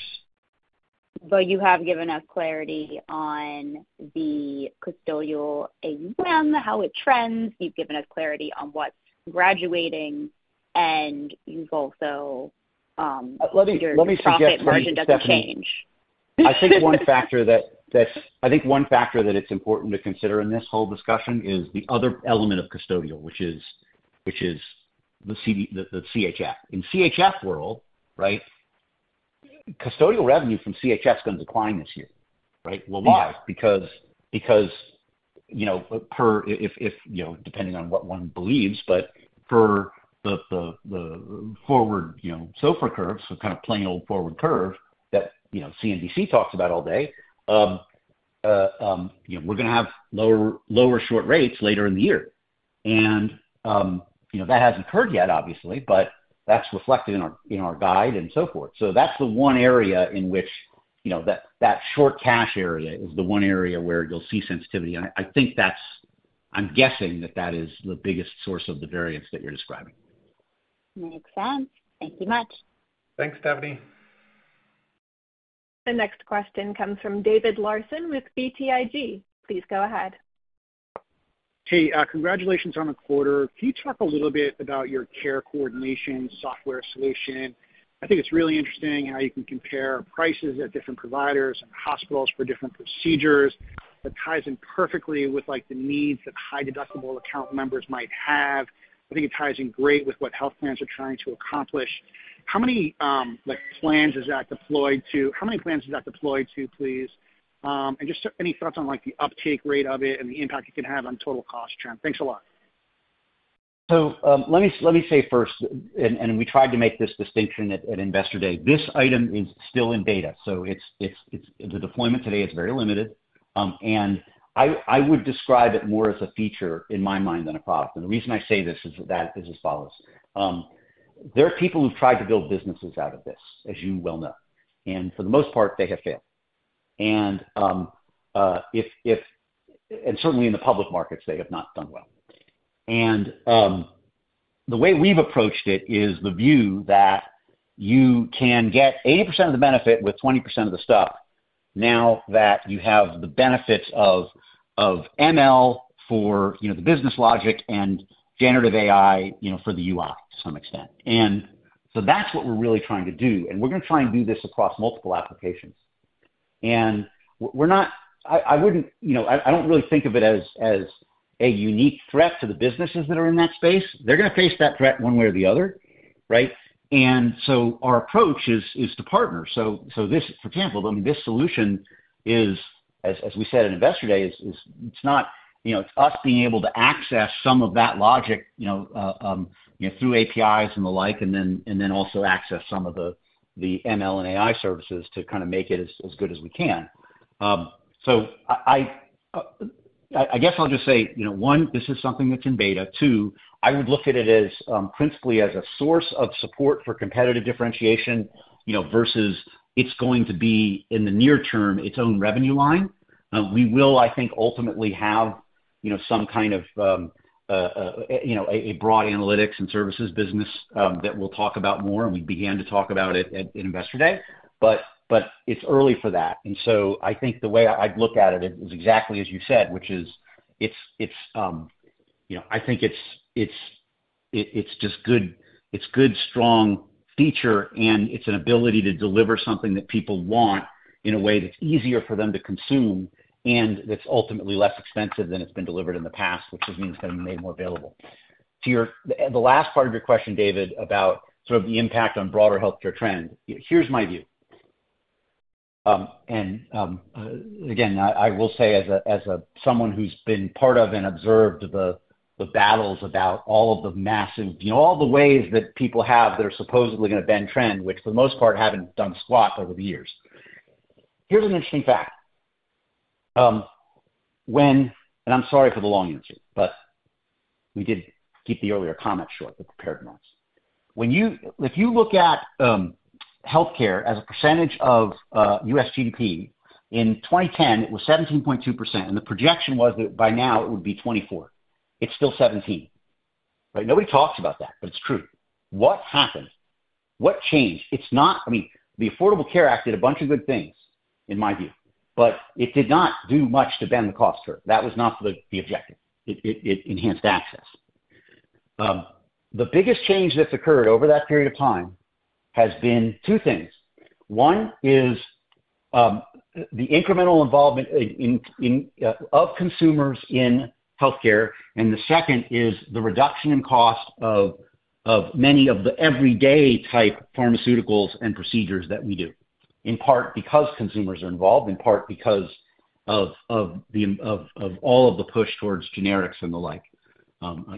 But you have given us clarity on the custodial AUM, how it trends. You've given us clarity on what's graduating, and you've also, your- Let me suggest something, Stephanie- Profit margin doesn't change. I think one factor that it's important to consider in this whole discussion is the other element of custodial, which is the CHF. In CHF world, right, custodial revenue from CHF is gonna decline this year, right? Well, why? Because, you know, per if, if, you know, depending on what one believes, but for the forward, you know, SOFR curves, so kind of plain old forward curve that, you know, CNBC talks about all day, you know, we're gonna have lower short rates later in the year. And, you know, that hasn't occurred yet, obviously, but that's reflected in our guide and so forth. So that's the one area in which, you know, that short cash area is the one area where you'll see sensitivity. And I think that's... I'm guessing that that is the biggest source of the variance that you're describing. Makes sense. Thank you much. Thanks, Stephanie. The next question comes from David Larsen with BTIG. Please go ahead. Hey, congratulations on the quarter. Can you talk a little bit about your care coordination software solution? I think it's really interesting how you can compare prices at different providers and hospitals for different procedures. It ties in perfectly with, like, the needs that high-deductible account members might have. I think it ties in great with what health plans are trying to accomplish. How many, like, plans is that deployed to? How many plans is that deployed to, please? And just any thoughts on, like, the uptake rate of it and the impact it can have on total cost trend? Thanks a lot. So, let me say first, and we tried to make this distinction at Investor Day. This item is still in beta, so it's - the deployment today is very limited. And I would describe it more as a feature in my mind than a product. And the reason I say this is as follows: There are people who've tried to build businesses out of this, as you well know, and for the most part, they have failed. And certainly in the public markets, they have not done well... And, the way we've approached it is the view that you can get 80% of the benefit with 20% of the stuff now that you have the benefits of ML for, you know, the business logic and generative AI, you know, for the UI to some extent. And so that's what we're really trying to do, and we're gonna try and do this across multiple applications. And we're not. I wouldn't, you know, I don't really think of it as a unique threat to the businesses that are in that space. They're gonna face that threat one way or the other, right? And so our approach is to partner. So, this, for example, I mean, this solution is, as we said at Investor Day, it's not, you know, it's us being able to access some of that logic, you know, through APIs and the like, and then also access some of the ML and AI services to kind of make it as good as we can. So I guess I'll just say, you know, one, this is something that's in beta. Two, I would look at it as principally as a source of support for competitive differentiation, you know, versus it's going to be, in the near term, its own revenue line. We will, I think, ultimately have, you know, some kind of, you know, a broad analytics and services business that we'll talk about more, and we began to talk about it in Investor Day, but it's early for that. And so I think the way I'd look at it is exactly as you said, which is, it's just good... It's good, strong feature, and it's an ability to deliver something that people want in a way that's easier for them to consume, and that's ultimately less expensive than it's been delivered in the past, which just means getting made more available. To your... the last part of your question, David, about sort of the impact on broader healthcare trends, here's my view. And again, I will say as a someone who's been part of and observed the battles about all of the massive, you know, all the ways that people have that are supposedly gonna bend trend, which for the most part haven't done squat over the years. Here's an interesting fact. When... And I'm sorry for the long answer, but we did keep the earlier comments short, the prepared ones. When you- if you look at healthcare as a percentage of U.S. GDP, in 2010, it was 17.2%, and the projection was that by now it would be 24%. It's still 17%, right? Nobody talks about that, but it's true. What happened? What changed? It's not... I mean, the Affordable Care Act did a bunch of good things, in my view, but it did not do much to bend the cost curve. That was not the objective. It enhanced access. The biggest change that's occurred over that period of time has been two things. One is the incremental involvement of consumers in healthcare, and the second is the reduction in cost of many of the everyday type pharmaceuticals and procedures that we do, in part because consumers are involved, in part because of all of the push towards generics and the like,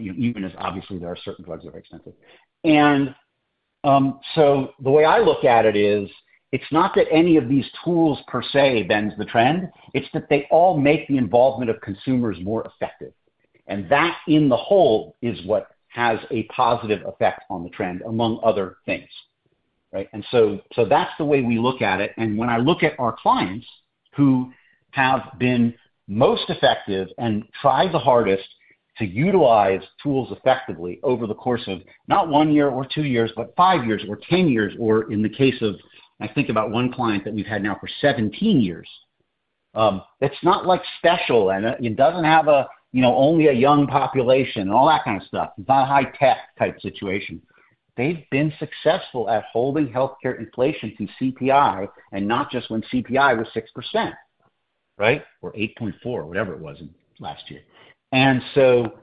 even as obviously there are certain drugs that are expensive. So the way I look at it is, it's not that any of these tools per se bends the trend, it's that they all make the involvement of consumers more effective, and that in the whole is what has a positive effect on the trend, among other things, right? So that's the way we look at it, and when I look at our clients, who have been most effective and try the hardest to utilize tools effectively over the course of not one year or two years, but five years or 10 years, or in the case of, I think about one client that we've had now for 17 years, it's not like special, and it doesn't have a, you know, only a young population and all that kind of stuff. It's not a high-tech type situation. They've been successful at holding healthcare inflation through CPI and not just when CPI was 6%, right? Or 8.4%, whatever it was in last year. And so,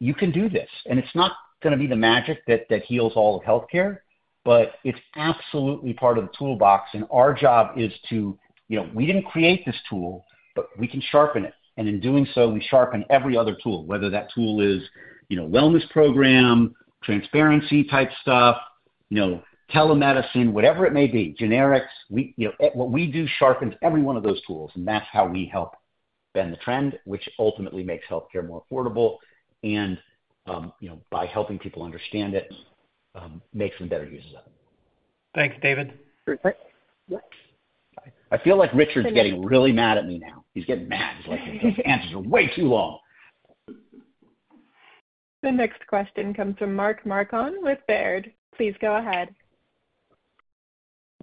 you can do this, and it's not gonna be the magic that, that heals all of healthcare, but it's absolutely part of the toolbox, and our job is to... You know, we didn't create this tool, but we can sharpen it, and in doing so, we sharpen every other tool, whether that tool is, you know, wellness program, transparency type stuff, you know, telemedicine, whatever it may be, generics. We, you know, what we do sharpens every one of those tools, and that's how we help bend the trend, which ultimately makes healthcare more affordable, and, you know, by helping people understand it, makes some better uses of it. Thanks, David. Great. What? I feel like Richard's getting really mad at me now. He's getting mad. He's like, "These answers are way too long! The next question comes from Mark Marcon with Baird. Please go ahead.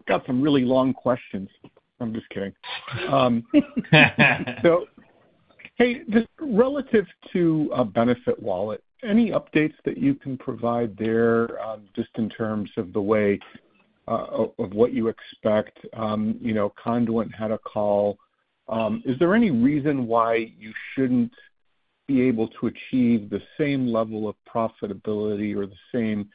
Got some really long questions. I'm just kidding. So, hey, just relative to, BenefitWallet, any updates that you can provide there, just in terms of the way, of, of what you expect? You know, Conduent had a call. Is there any reason why you shouldn't be able to achieve the same level of profitability or the same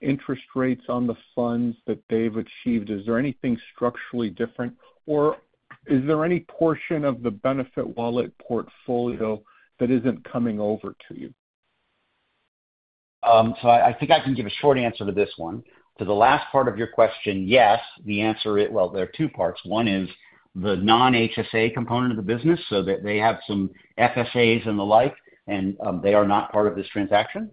interest rates on the funds that they've achieved? Is there anything structurally different, or is there any portion of the BenefitWallet portfolio that isn't coming over to you? So I think I can give a short answer to this one. To the last part of your question, yes, the answer is... Well, there are two parts. One is the non-HSA component of the business, so that they have some FSAs and the like, and they are not part of this transaction.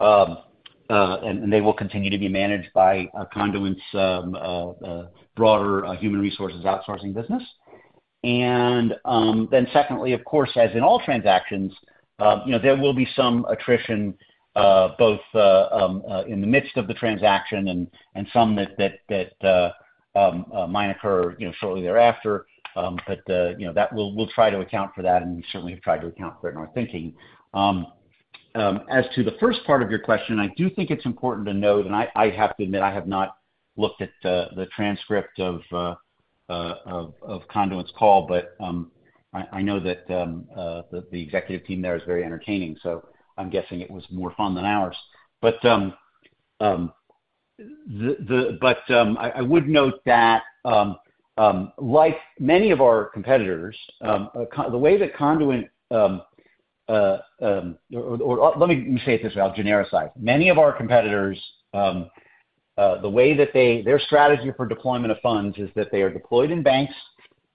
And they will continue to be managed by Conduent's broader human resources outsourcing business. And then secondly, of course, as in all transactions, you know, there will be some attrition, both in the midst of the transaction and some that might occur, you know, shortly thereafter. But you know, that we'll try to account for that, and we certainly have tried to account for it in our thinking. As to the first part of your question, I do think it's important to note, and I have to admit, I have not looked at the transcript of Conduent's call, but I know that the executive team there is very entertaining, so I'm guessing it was more fun than ours. But I would note that like many of our competitors, the way that Conduent... Or, let me say it this way, I'll genericize. Many of our competitors, the way that their strategy for deployment of funds is that they are deployed in banks,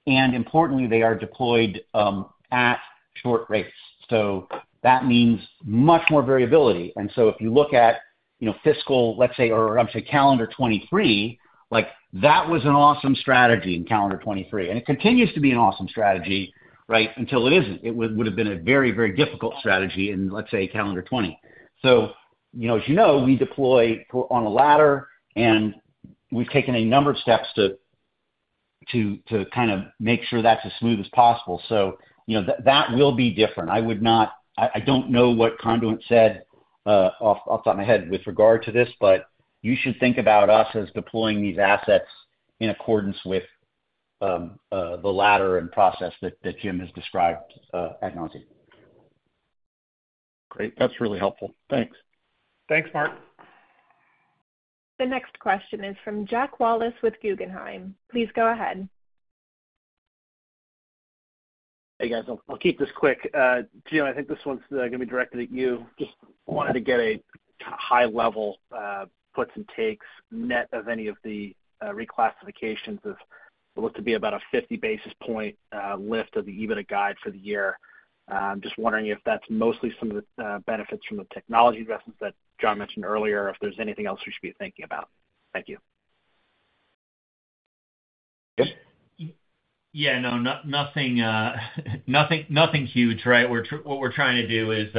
and importantly, they are deployed at short rates. So that means much more variability. And so if you look at, you know, fiscal, let's say, or I'm sorry, calendar 2023, like, that was an awesome strategy in calendar 2023, and it continues to be an awesome strategy, right? Until it isn't. It would, would've been a very, very difficult strategy in, let's say, calendar 2020. So, you know, as you know, we deploy on a ladder, and we've taken a number of steps to kind of make sure that's as smooth as possible. So, you know, that will be different. I would not—I don't know what Conduent said off the top of my head with regard to this, but you should think about us as deploying these assets in accordance with the ladder and process that Jim has described at length. Great. That's really helpful. Thanks. Thanks, Mark. The next question is from Jack Wallace with Guggenheim. Please go ahead. Hey, guys. I'll keep this quick. Jim, I think this one's gonna be directed at you. Just wanted to get a high level puts and takes, net of any of the reclassifications of what to be about a 50 basis point lift of the EBITDA guide for the year. I'm just wondering if that's mostly some of the benefits from the technology investments that Jon mentioned earlier, or if there's anything else we should be thinking about. Thank you. Jim? Yeah, no, nothing huge, right? We're trying to do is,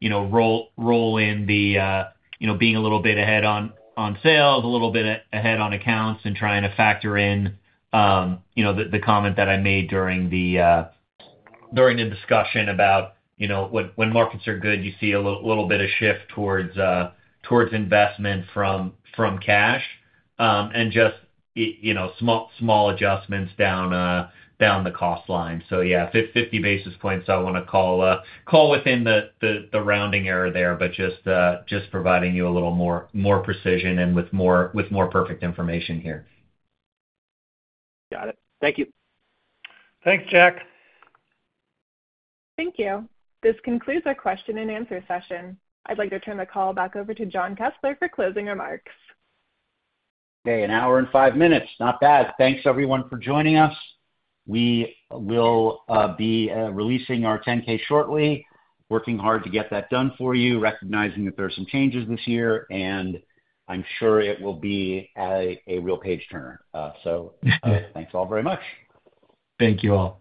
you know, roll in the, you know, being a little bit ahead on sales, a little bit ahead on accounts, and trying to factor in, you know, the comment that I made during the discussion about, you know, when markets are good, you see a little bit of shift towards investment from cash. And just, you know, small adjustments down the cost line. So yeah, 50 basis points, I wanna call within the rounding error there, but just providing you a little more precision and with more perfect information here. Got it. Thank you. Thanks, Jack. Thank you. This concludes our question and answer session. I'd like to turn the call back over to Jon Kessler for closing remarks. Okay, 1 hour and 5 minutes, not bad. Thanks, everyone, for joining us. We will be releasing our 10-K shortly. Working hard to get that done for you, recognizing that there are some changes this year, and I'm sure it will be a real page-turner. Thanks all very much. Thank you, all.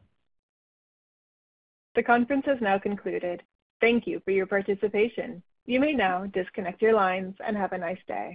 The conference has now concluded. Thank you for your participation. You may now disconnect your lines and have a nice day.